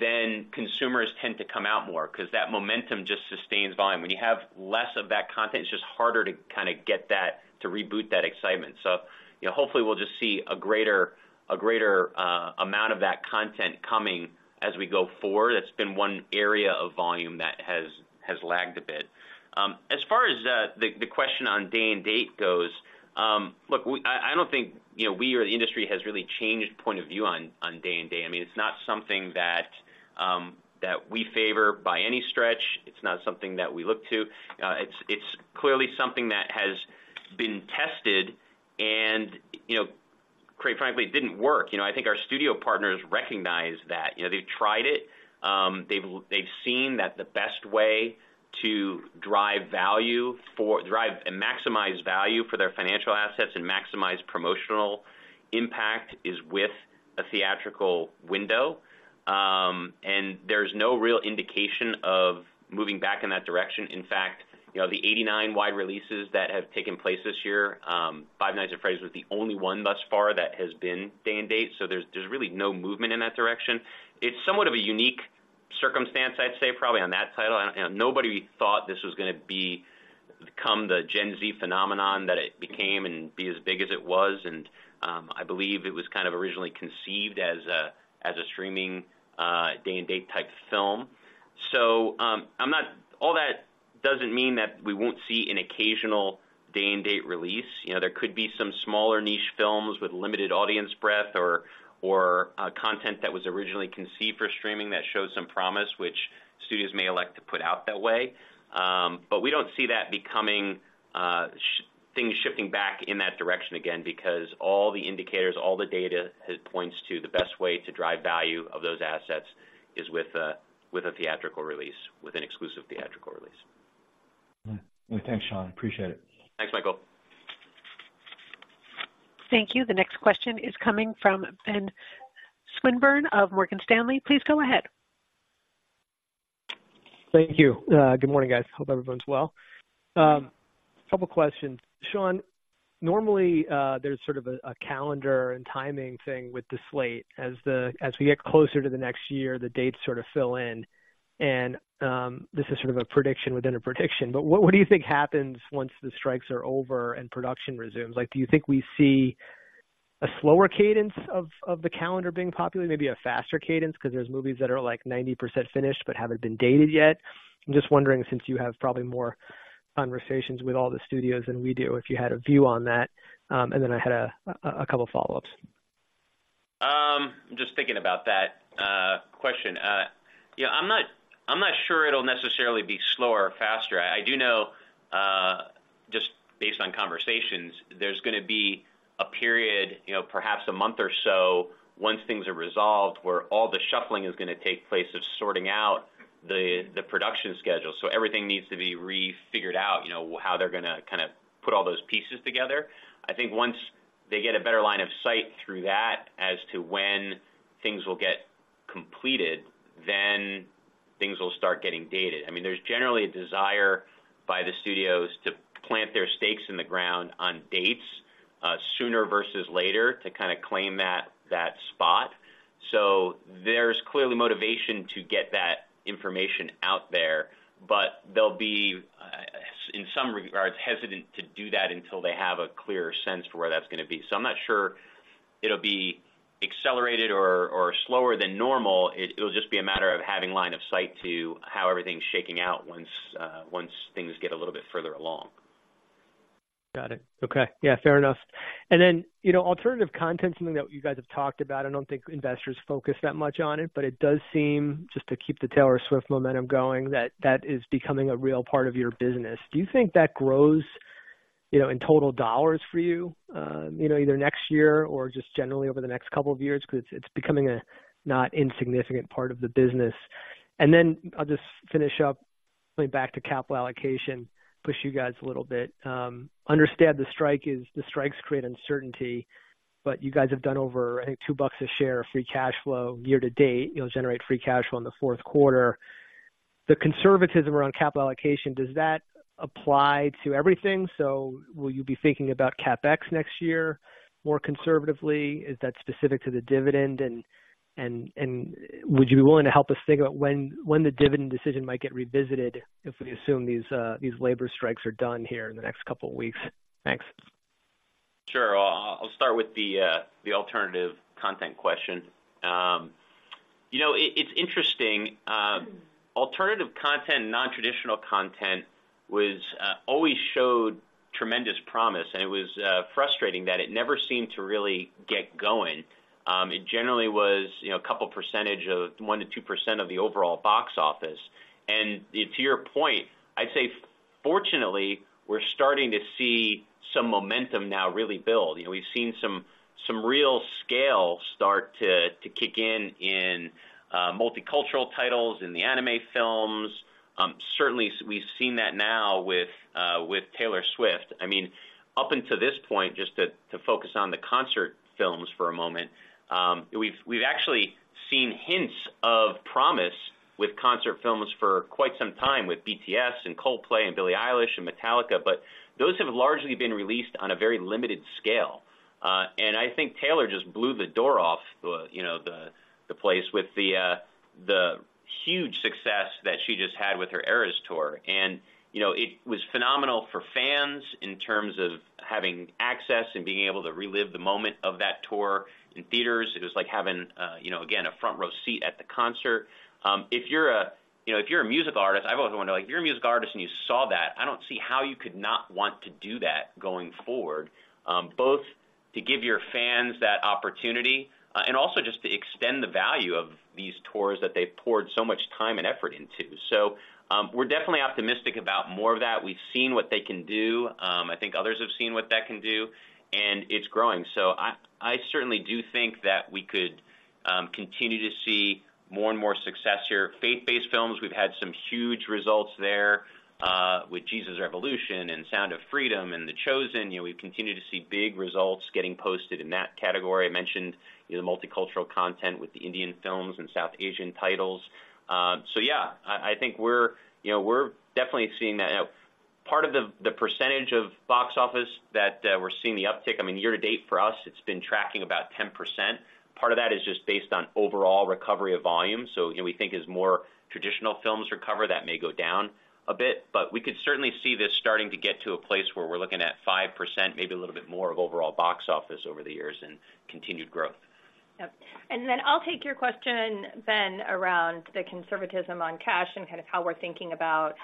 then consumers tend to come out more because that momentum just sustains volume. When you have less of that content, it's just harder to kinda get that, to reboot that excitement. So, you know, hopefully, we'll just see a greater, a greater amount of that content coming as we go forward. That's been one area of volume that has lagged a bit. As far as the question on day and date goes. Look, I don't think, you know, we or the industry has really changed point of view on day-and-date. I mean, it's not something that that we favor by any stretch. It's not something that we look to. It's clearly something that has been tested and, you know, quite frankly, didn't work. You know, I think our studio partners recognize that. You know, they've tried it. They've seen that the best way to drive and maximize value for their financial assets and maximize promotional impact is with a theatrical window. And there's no real indication of moving back in that direction. In fact, you know, the 89 wide releases that have taken place this year, Five Nights at Freddy's was the only one thus far that has been day-and-date, so there's really no movement in that direction. It's somewhat of a unique circumstance, I'd say, probably on that title. And, you know, nobody thought this was gonna be, become the Gen Z phenomenon that it became and be as big as it was. I believe it was kind of originally conceived as a streaming day-and-date type film. So, I'm not. All that doesn't mean that we won't see an occasional day-and-date release. You know, there could be some smaller niche films with limited audience breadth or content that was originally conceived for streaming that shows some promise, which studios may elect to put out that way. But we don't see that becoming things shifting back in that direction again, because all the indicators, all the data, it points to the best way to drive value of those assets is with a theatrical release, with an exclusive theatrical release. All right. Well, thanks, Sean. I appreciate it. Thanks, Michael. Thank you. The next question is coming from Ben Swinburne of Morgan Stanley. Please go ahead. Thank you. Good morning, guys. Hope everyone's well. A couple questions. Sean, normally, there's sort of a calendar and timing thing with the slate. As we get closer to the next year, the dates sort of fill in, and this is sort of a prediction within a prediction, but what do you think happens once the strikes are over and production resumes? Like, do you think we see a slower cadence of the calendar being populated, maybe a faster cadence, 'cause there's movies that are, like, 90% finished but haven't been dated yet? I'm just wondering, since you have probably more conversations with all the studios than we do, if you had a view on that. And then I had a couple follow-ups. I'm just thinking about that, question. You know, I'm not, I'm not sure it'll necessarily be slower or faster. I do know, just based on conversations, there's gonna be a period, you know, perhaps a month or so, once things are resolved, where all the shuffling is gonna take place of sorting out the, the production schedule. So everything needs to be refigured out, you know, how they're gonna kind of put all those pieces together. I think once they get a better line of sight through that as to when things will get completed, then things will start getting dated. I mean, there's generally a desire by the studios to plant their stakes in the ground on dates, sooner versus later, to kind of claim that, that spot. So there's clearly motivation to get that information out there, but they'll be in some regards hesitant to do that until they have a clearer sense for where that's gonna be. So I'm not sure it'll be accelerated or slower than normal. It'll just be a matter of having line of sight to how everything's shaking out once things get a little bit further along. Got it. Okay. Yeah, fair enough. And then, you know, alternative content, something that you guys have talked about, I don't think investors focus that much on it, but it does seem, just to keep the Taylor Swift momentum going, that that is becoming a real part of your business. Do you think that grows, you know, in total dollars for you, either next year or just generally over the next couple of years? Because it's, it's becoming a not insignificant part of the business. And then I'll just finish up going back to capital allocation, push you guys a little bit. Understand the strikes create uncertainty, but you guys have done over, I think, $2 a share, free cash flow, year to date. You'll generate free cash flow in the fourth quarter. The conservatism around capital allocation, does that apply to everything? So will you be thinking about CapEx next year, more conservatively? Is that specific to the dividend? And would you be willing to help us think about when the dividend decision might get revisited if we assume these labor strikes are done here in the next couple of weeks? Thanks. Sure. I'll start with the alternative content question. You know, it's interesting. Alternative content, nontraditional content, always showed tremendous promise, and it was frustrating that it never seemed to really get going. It generally was, you know, a couple percentage of 1%-2% of the overall box office. And to your point, I'd say, fortunately, we're starting to see some momentum now really build. You know, we've seen some real scale start to kick in in multicultural titles, in the anime films. Certainly, we've seen that now with Taylor Swift. I mean, up until this point, just to focus on the concert films for a moment, we've actually seen hints of promise with concert films for quite some time, with BTS and Coldplay and Billie Eilish and Metallica, but those have largely been released on a very limited scale. And I think Taylor just blew the door off the, you know, the place with the huge success that she just had with her Eras Tour. And, you know, it was phenomenal for fans in terms of having access and being able to relive the moment of that tour in theaters. It was like having, you know, again, a front row seat at the concert. If you're a, you know, if you're a music artist, I've always wondered, like, if you're a music artist and you saw that, I don't see how you could not want to do that going forward, both to give your fans that opportunity, and also just to extend the value of these tours that they've poured so much time and effort into. So, we're definitely optimistic about more of that. We've seen what they can do. I think others have seen what that can do, and it's growing. So I certainly do think that we could continue to see more and more success here. Faith-based films, we've had some huge results there, with Jesus Revolution, and Sound of Freedom, and The Chosen. You know, we've continued to see big results getting posted in that category. I mentioned, you know, the multicultural content with the Indian films and South Asian titles. So yeah, I think we're, you know, we're definitely seeing that. Part of the percentage of box office that we're seeing the uptick, I mean, year to date for us, it's been tracking about 10%. Part of that is just based on overall recovery of volume, so, you know, we think as more traditional films recover, that may go down a bit, but we could certainly see this starting to get to a place where we're looking at 5%, maybe a little bit more of overall box office over the years and continued growth. Yep. And then I'll take your question, Ben, around the conservatism on cash and kind of how we're thinking about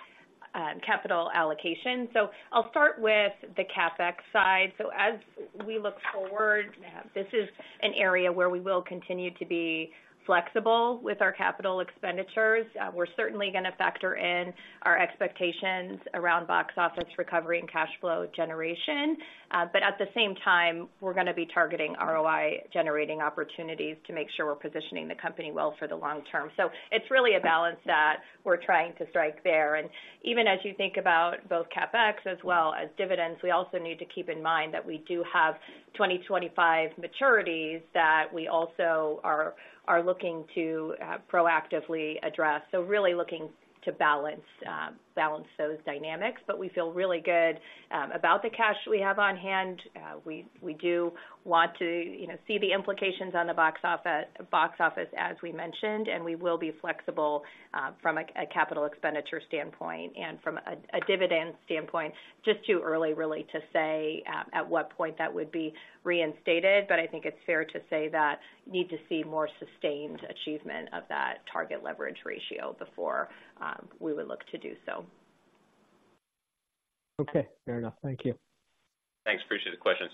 capital allocation. So I'll start with the CapEx side. So as we look forward, this is an area where we will continue to be flexible with our capital expenditures. We're certainly going to factor in our expectations around box office recovery and cash flow generation, but at the same time, we're going to be targeting ROI, generating opportunities to make sure we're positioning the company well for the long term. So it's really a balance that we're trying to strike there. And even as you think about both CapEx as well as dividends, we also need to keep in mind that we do have 2025 maturities that we also are looking to proactively address. So really looking to balance those dynamics. But we feel really good about the cash we have on hand. We do want to, you know, see the implications on the box office, box office, as we mentioned, and we will be flexible from a capital expenditure standpoint and from a dividend standpoint, just too early, really, to say at what point that would be reinstated. But I think it's fair to say that need to see more sustained achievement of that target leverage ratio before we would look to do so. Okay, fair enough. Thank you. Thanks. Appreciate the questions.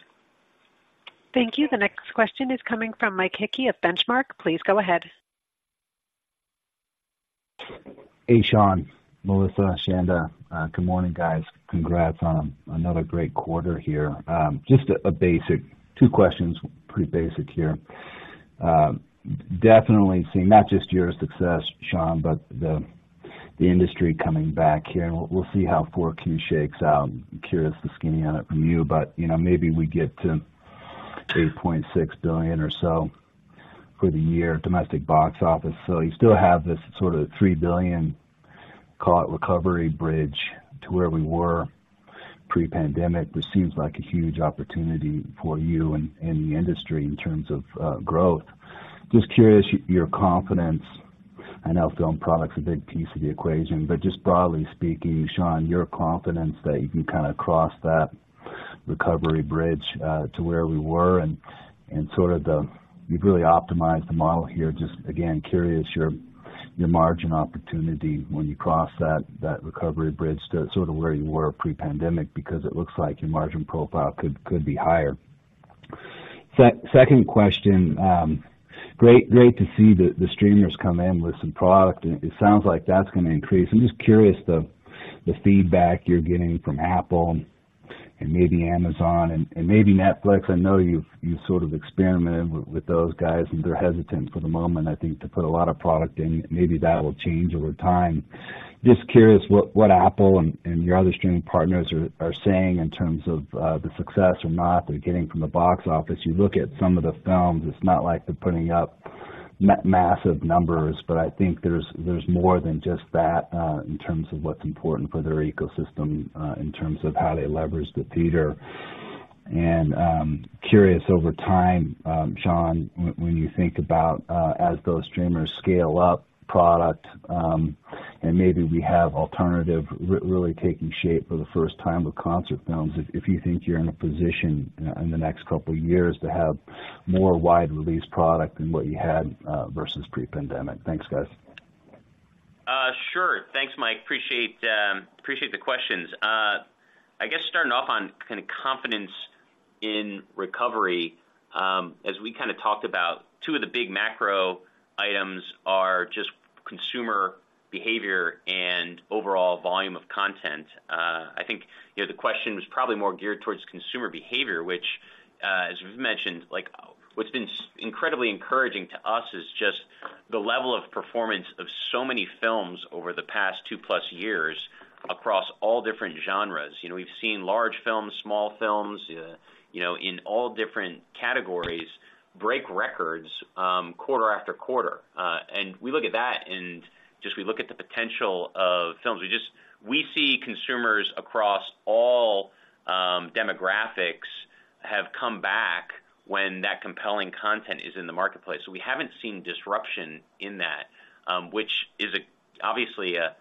Thank you. The next question is coming from Mike Hickey of Benchmark. Please go ahead. Hey, Sean, Melissa, Chanda. Good morning, guys. Congrats on another great quarter here. Just a basic. Two questions, pretty basic here. Definitely seeing not just your success, Sean, but the industry coming back here, and we'll see how 4Q shakes out. Curious, the skinny on it from you, but, you know, maybe we get to $8.6 billion or so for the year, domestic box office. So you still have this sort of $3 billion call it recovery bridge to where we were pre-pandemic. This seems like a huge opportunity for you and the industry in terms of growth. Just curious, your confidence. I know film product's a big piece of the equation, but just broadly speaking, Sean, your confidence that you can kind of cross that recovery bridge to where we were and sort of you've really optimized the model here. Just again, curious, your margin opportunity when you cross that recovery bridge to sort of where you were pre-pandemic, because it looks like your margin profile could be higher. Second question, great to see the streamers come in with some product, and it sounds like that's going to increase. I'm just curious, the feedback you're getting from Apple and maybe Amazon and maybe Netflix. I know you've sort of experimented with those guys, and they're hesitant for the moment, I think, to put a lot of product in. Maybe that will change over time. Just curious what Apple and your other streaming partners are saying in terms of the success or not they're getting from the box office. You look at some of the films, it's not like they're putting up massive numbers, but I think there's more than just that in terms of what's important for their ecosystem in terms of how they leverage the theater. And curious over time, Sean, when you think about as those streamers scale up product and maybe we have alternative really taking shape for the first time with concert films, if you think you're in a position in the next couple of years to have more wide-release product than what you had versus pre-pandemic. Thanks, guys. Sure. Thanks, Mike. Appreciate, appreciate the questions. I guess starting off on kind of confidence in recovery, as we kind of talked about, two of the big macro items are just consumer behavior and overall volume of content. I think, you know, the question was probably more geared towards consumer behavior, which, as we've mentioned, like, what's been incredibly encouraging to us is just the level of performance of so many films over the past two-plus years across all different genres. You know, we've seen large films, small films, you know, in all different categories, break records, quarter after quarter. And we look at that, and just we look at the potential of films. We just, we see consumers across all, demographics, have come back when that compelling content is in the marketplace. So we haven't seen disruption in that, which is obviously a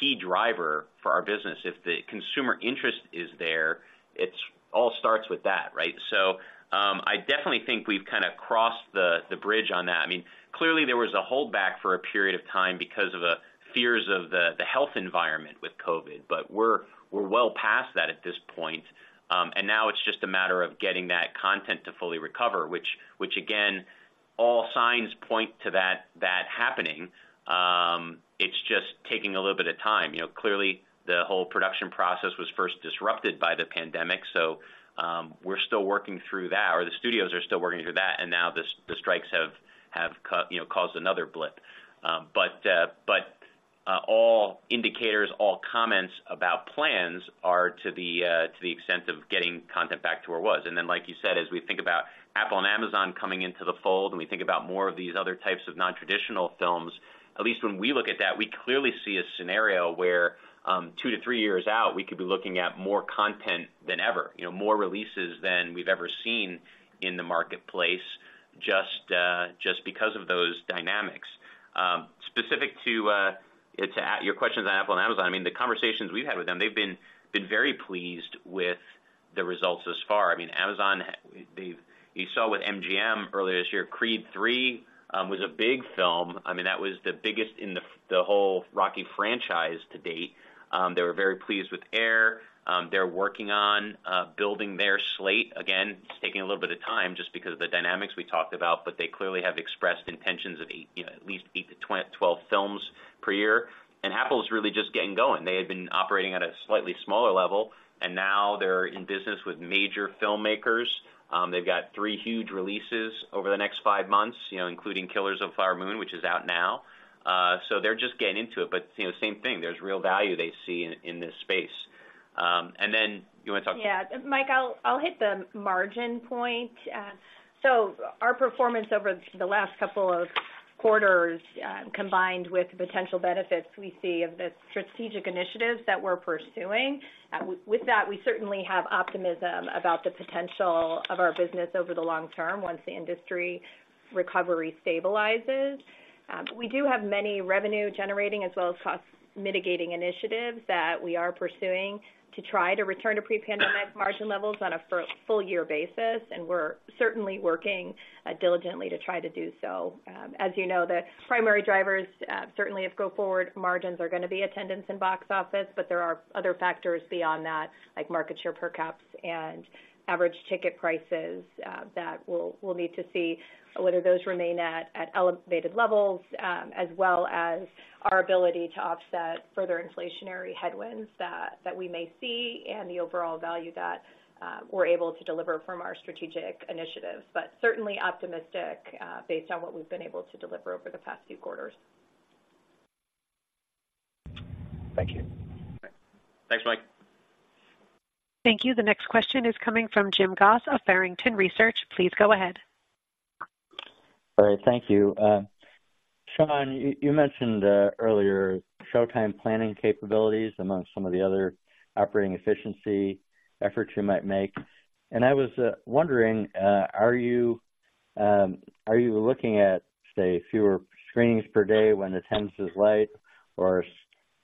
key driver for our business. If the consumer interest is there, it all starts with that, right? So, I definitely think we've kind of crossed the bridge on that. I mean, clearly there was a holdback for a period of time because of the fears of the health environment with COVID, but we're well past that at this point, and now it's just a matter of getting that content to fully recover, which again, all signs point to that happening. It's just taking a little bit of time. You know, clearly, the whole production process was first disrupted by the pandemic, so, we're still working through that, or the studios are still working through that, and now the strikes have you know, caused another blip. But, all indicators, all comments about plans are to the extent of getting content back to where it was. And then, like you said, as we think about Apple and Amazon coming into the fold, and we think about more of these other types of nontraditional films, at least when we look at that, we clearly see a scenario where, 2-3 years out, we could be looking at more content than ever, you know, more releases than we've ever seen in the marketplace, just because of those dynamics. Specific to your questions on Apple and Amazon, I mean, the conversations we've had with them, they've been very pleased with the results thus far. I mean, Amazon, they've you saw with MGM earlier this year, Creed III was a big film. I mean, that was the biggest in the whole Rocky franchise to date. They were very pleased with Air. They're working on building their slate. Again, it's taking a little bit of time just because of the dynamics we talked about, but they clearly have expressed intentions of, you know, at least 8-12 films per year. And Apple is really just getting going. They had been operating at a slightly smaller level, and now they're in business with major filmmakers. They've got three huge releases over the next five months, you know, including Killers of the Flower Moon, which is out now. So they're just getting into it. But, you know, same thing, there's real value they see in this space. And then you want to talk. Yeah. Mike, I'll hit the margin point. So our performance over the last couple of quarters, combined with the potential benefits we see of the strategic initiatives that we're pursuing, with that, we certainly have optimism about the potential of our business over the long term, once the industry recovery stabilizes. We do have many revenue-generating, as well as cost-mitigating initiatives that we are pursuing to try to return to pre-pandemic margin levels on a full year basis, and we're certainly working diligently to try to do so. As you know, the primary drivers, certainly of go forward margins, are going to be attendance and box office, but there are other factors beyond that, like market share per caps and average ticket prices, that we'll need to see whether those remain at elevated levels, as well as our ability to offset further inflationary headwinds that we may see, and the overall value that we're able to deliver from our strategic initiatives. But certainly optimistic, based on what we've been able to deliver over the past few quarters. Thank you. Thanks, Mike. Thank you. The next question is coming from Jim Goss of Barrington Research. Please go ahead. All right, thank you. Sean, you mentioned earlier showtime planning capabilities among some of the other operating efficiency efforts you might make, and I was wondering, are you looking at, say, fewer screenings per day when attendance is light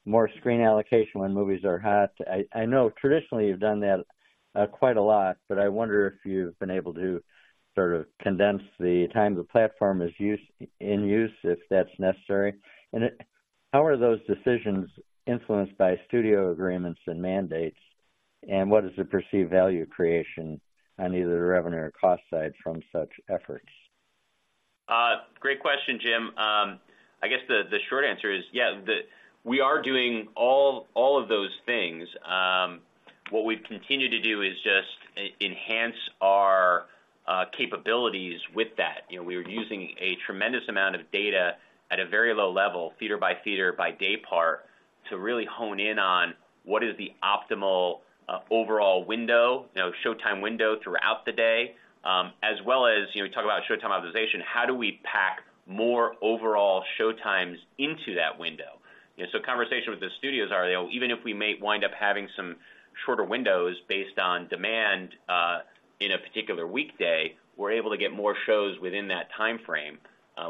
or more screen allocation when movies are hot? I know traditionally you've done that quite a lot, but I wonder if you've been able to sort of condense the time the platform is in use, if that's necessary. How are those decisions influenced by studio agreements and mandates? And what is the perceived value creation on either the revenue or cost side from such efforts? Great question, Jim. I guess the short answer is, yeah, we are doing all, all of those things. What we've continued to do is just enhance our capabilities with that. You know, we are using a tremendous amount of data at a very low level, theater by theater, by day part, to really hone in on what is the optimal overall window, you know, showtime window throughout the day. As well as, you know, we talk about showtime optimization, how do we pack more overall showtimes into that window? You know, so conversations with the studios are, you know, even if we may wind up having some shorter windows based on demand in a particular weekday, we're able to get more shows within that timeframe,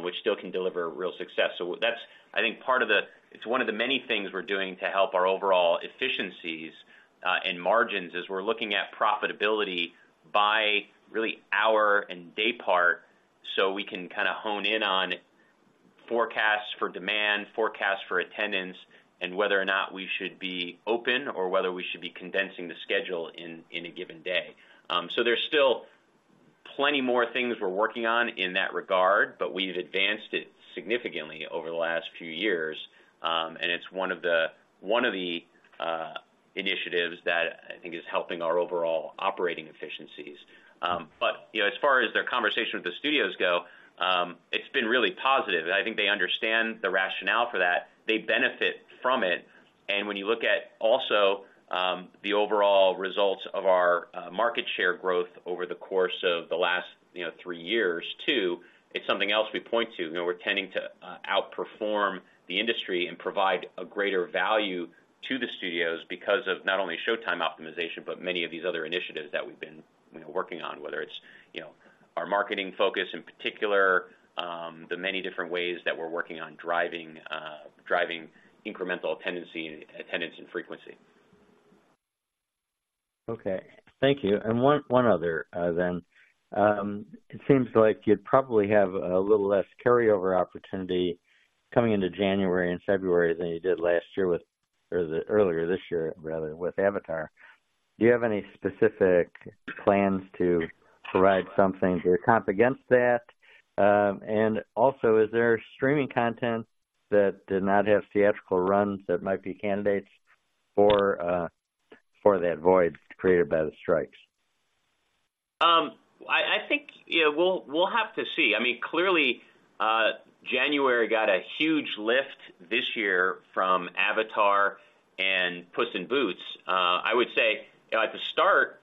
which still can deliver real success. So that's, I think, part of it. It's one of the many things we're doing to help our overall efficiencies and margins, as we're looking at profitability by really hour and day part, so we can kind of hone in on forecasts for demand, forecasts for attendance, and whether or not we should be open or whether we should be condensing the schedule in a given day. So there's still plenty more things we're working on in that regard, but we've advanced it significantly over the last few years. And it's one of the initiatives that I think is helping our overall operating efficiencies. But you know, as far as the conversation with the studios go, it's been really positive, and I think they understand the rationale for that. They benefit from it. When you look at also, the overall results of our market share growth over the course of the last, you know, three years too, it's something else we point to. You know, we're tending to outperform the industry and provide a greater value to the studios because of not only showtime optimization, but many of these other initiatives that we've been, you know, working on, whether it's, you know, our marketing focus in particular, the many different ways that we're working on driving incremental tenancy, attendance, and frequency. Okay. Thank you. It seems like you'd probably have a little less carryover opportunity coming into January and February than you did last year with or the earlier this year, rather, with Avatar. Do you have any specific plans to provide something to comp against that? And also, is there streaming content that did not have theatrical runs that might be candidates for that void created by the strikes? I think, you know, we'll have to see. I mean, clearly, January got a huge lift this year from Avatar and Puss in Boots. I would say, you know, at the start,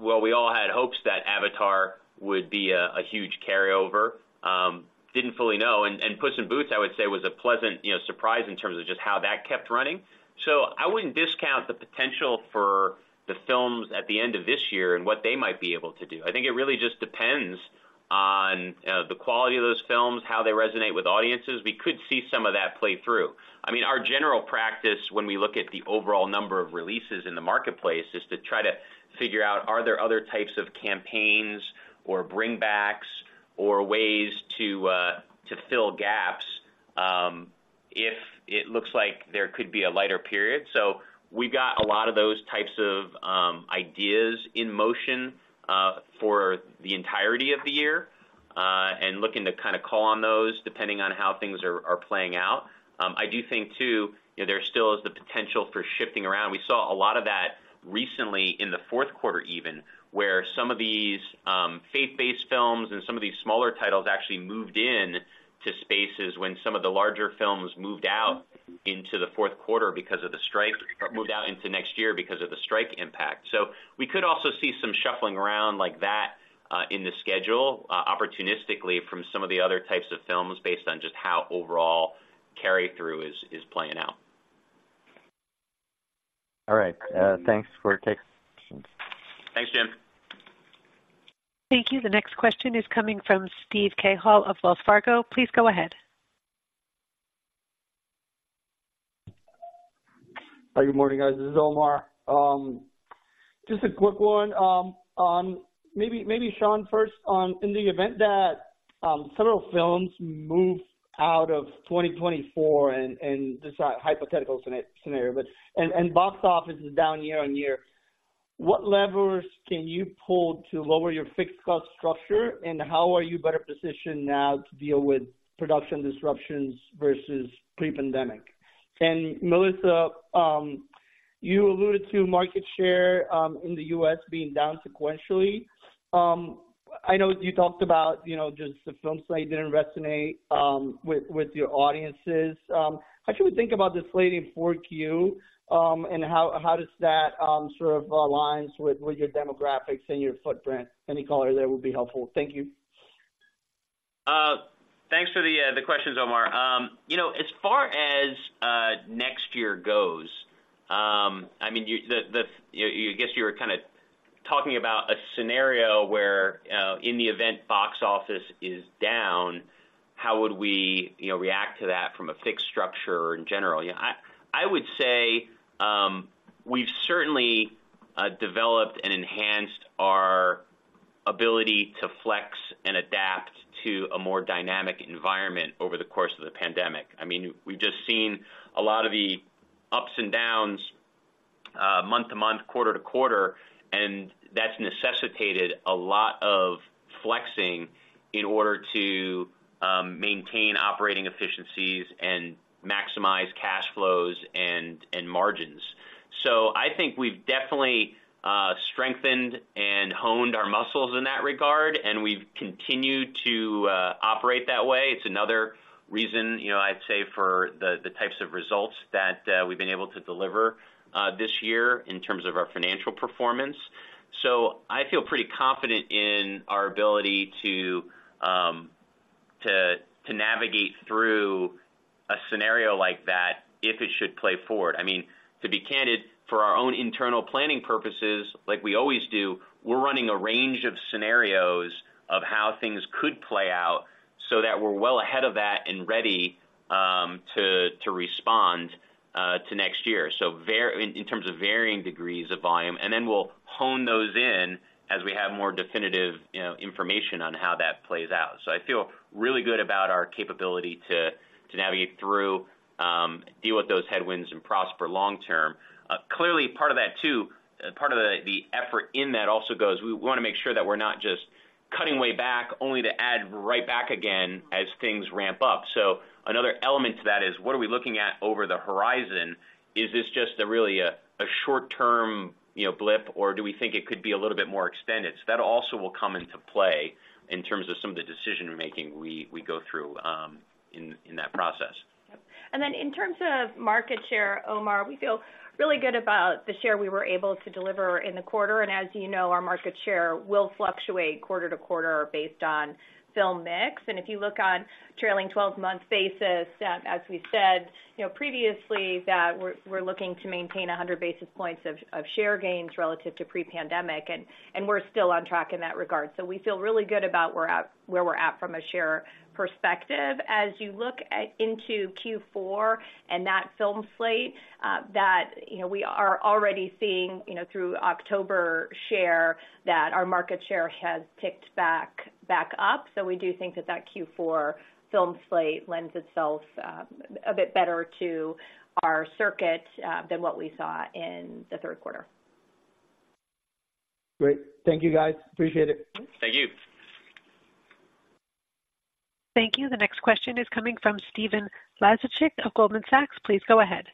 well, we all had hopes that Avatar would be a huge carryover, didn't fully know. And Puss in Boots, I would say, was a pleasant, you know, surprise in terms of just how that kept running. So I wouldn't discount the potential for the films at the end of this year and what they might be able to do. I think it really just depends on the quality of those films, how they resonate with audiences. We could see some of that play through. I mean, our general practice when we look at the overall number of releases in the marketplace, is to try to figure out, are there other types of campaigns or bring backs or ways to, to fill gaps, if it looks like there could be a lighter period. So we've got a lot of those types of, ideas in motion, for the entirety of the year, and looking to kind of call on those depending on how things are playing out. I do think, too, you know, there still is the potential for shifting around. We saw a lot of that recently in the fourth quarter, even, where some of these faith-based films and some of these smaller titles actually moved in to spaces when some of the larger films moved out into the fourth quarter because of the strike, or moved out into next year because of the strike impact. So we could also see some shuffling around like that in the schedule opportunistically from some of the other types of films based on just how overall carry-through is playing out. All right, thanks for taking questions. Thanks, Jim. Thank you. The next question is coming from Steve Cahall of Wells Fargo. Please go ahead. Hi, good morning, guys. This is Omar. Just a quick one. Maybe Sean first. In the event that several films move out of 2024 and this is a hypothetical scenario, but and box office is down year-on-year, what levers can you pull to lower your fixed cost structure? And how are you better positioned now to deal with production disruptions versus pre-pandemic? And Melissa, you alluded to market share in the U.S. being down sequentially. I know you talked about, you know, just the film slate didn't resonate with your audiences. How should we think about this slating for Q? And how does that sort of aligns with your demographics and your footprint? Any color there would be helpful. Thank you. Thanks for the questions, Omar. You know, as far as next year goes, I mean, I guess you were kind of talking about a scenario where, in the event box office is down, how would we, you know, react to that from a fixed structure in general? Yeah, I would say, we've certainly developed and enhanced our ability to flex and adapt to a more dynamic environment over the course of the pandemic. I mean, we've just seen a lot of the ups and downs, month to month, quarter to quarter, and that's necessitated a lot of flexing in order to maintain operating efficiencies and maximize cash flows and, and margins. So I think we've definitely strengthened and honed our muscles in that regard, and we've continued to operate that way. It's another reason, you know, I'd say for the types of results that we've been able to deliver this year in terms of our financial performance. So I feel pretty confident in our ability to navigate through a scenario like that, if it should play forward. I mean, to be candid, for our own internal planning purposes, like we always do, we're running a range of scenarios of how things could play out so that we're well ahead of that and ready to respond to next year. So in terms of varying degrees of volume, and then we'll hone those in as we have more definitive, you know, information on how that plays out. So I feel really good about our capability to navigate through, deal with those headwinds and prosper long term. Clearly, part of that, too, part of the effort in that also goes. We want to make sure that we're not just cutting way back, only to add right back again as things ramp up. So another element to that is, what are we looking at over the horizon? Is this just a really, a short term, you know, blip, or do we think it could be a little bit more extended? So that also will come into play in terms of some of the decision making we go through in that process. Then in terms of market share, Omar, we feel really good about the share we were able to deliver in the quarter, and as you know, our market share will fluctuate quarter to quarter based on film mix. If you look on a trailing twelve-month basis, as we said, you know, previously, that we're looking to maintain 100 basis points of share gains relative to pre-pandemic, and we're still on track in that regard. So we feel really good about where we're at from a share perspective. As you look into Q4 and that film slate, you know, we are already seeing, you know, through October share, that our market share has ticked back up. So we do think that Q4 film slate lends itself a bit better to our circuit than what we saw in the third quarter. Great. Thank you, guys. Appreciate it. Thank you. Thank you. The next question is coming from Stephen Laszczyk of Goldman Sachs. Please go ahead.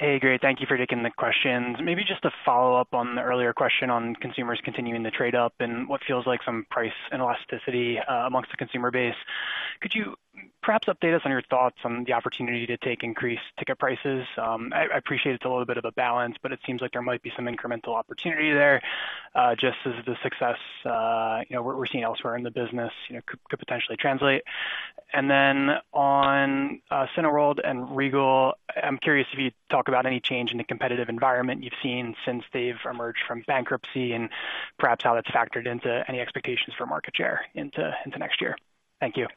Hey, great. Thank you for taking the questions. Maybe just a follow-up on the earlier question on consumers continuing the trade-up and what feels like some price inelasticity among the consumer base. Could you perhaps update us on your thoughts on the opportunity to take increased ticket prices? I appreciate it's a little bit of a balance, but it seems like there might be some incremental opportunity there, just as the success, you know, we're seeing elsewhere in the business, you know, could potentially translate. And then on Cineworld and Regal, I'm curious if you'd talk about any change in the competitive environment you've seen since they've emerged from bankruptcy, and perhaps how that's factored into any expectations for market share into next year. Thank you.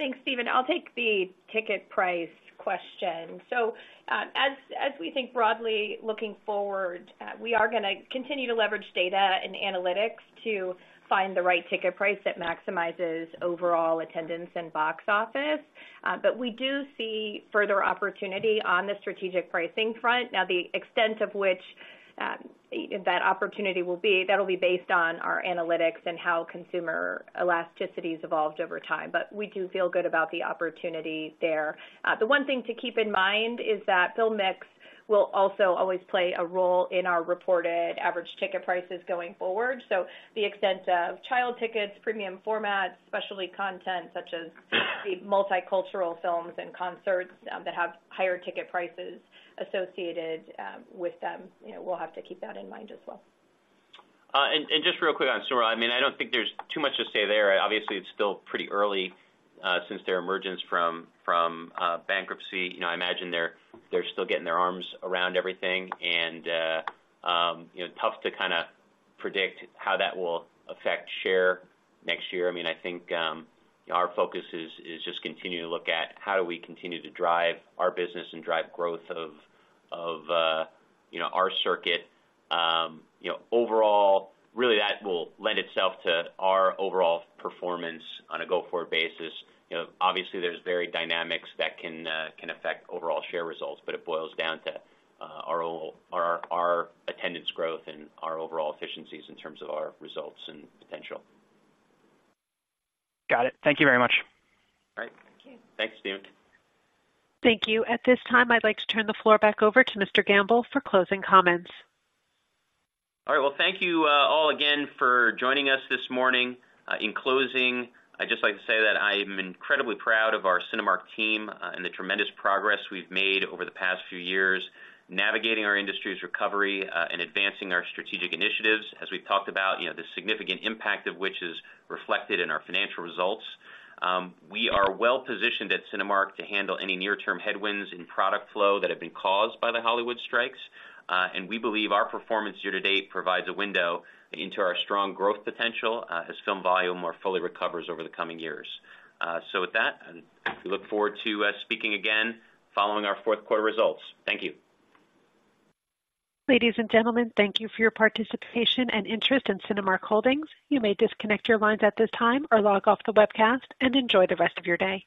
Thanks, Stephen. I'll take the ticket price question. So, as we think broadly looking forward, we are gonna continue to leverage data and analytics to find the right ticket price that maximizes overall attendance and box office. But we do see further opportunity on the strategic pricing front. Now, the extent of which that opportunity will be, that'll be based on our analytics and how consumer elasticity has evolved over time, but we do feel good about the opportunity there. The one thing to keep in mind is that film mix will also always play a role in our reported average ticket prices going forward. So the extent of child tickets, premium formats, specialty content, such as the multicultural films and concerts, that have higher ticket prices associated with them, you know, we'll have to keep that in mind as well. And just real quick on Cineworld. I mean, I don't think there's too much to say there. Obviously, it's still pretty early since their emergence from bankruptcy. You know, I imagine they're still getting their arms around everything, and you know, tough to kinda predict how that will affect share next year. I mean, I think our focus is just continue to look at how do we continue to drive our business and drive growth of our circuit. You know, overall, really, that will lend itself to our overall performance on a go-forward basis. You know, obviously, there's varied dynamics that can affect overall share results, but it boils down to our overall attendance growth and our overall efficiencies in terms of our results and potential. Got it. Thank you very much. All right. Thanks, Stephen. Thank you. At this time, I'd like to turn the floor back over to Mr. Gamble for closing comments. All right. Well, thank you, all again for joining us this morning. In closing, I'd just like to say that I'm incredibly proud of our Cinemark team, and the tremendous progress we've made over the past few years, navigating our industry's recovery, and advancing our strategic initiatives. As we've talked about, you know, the significant impact of which is reflected in our financial results. We are well positioned at Cinemark to handle any near-term headwinds in product flow that have been caused by the Hollywood strikes. And we believe our performance year to date provides a window into our strong growth potential, as film volume more fully recovers over the coming years. So with that, we look forward to speaking again following our fourth-quarter results. Thank you. Ladies and gentlemen, thank you for your participation and interest in Cinemark Holdings. You may disconnect your lines at this time or log off the webcast and enjoy the rest of your day.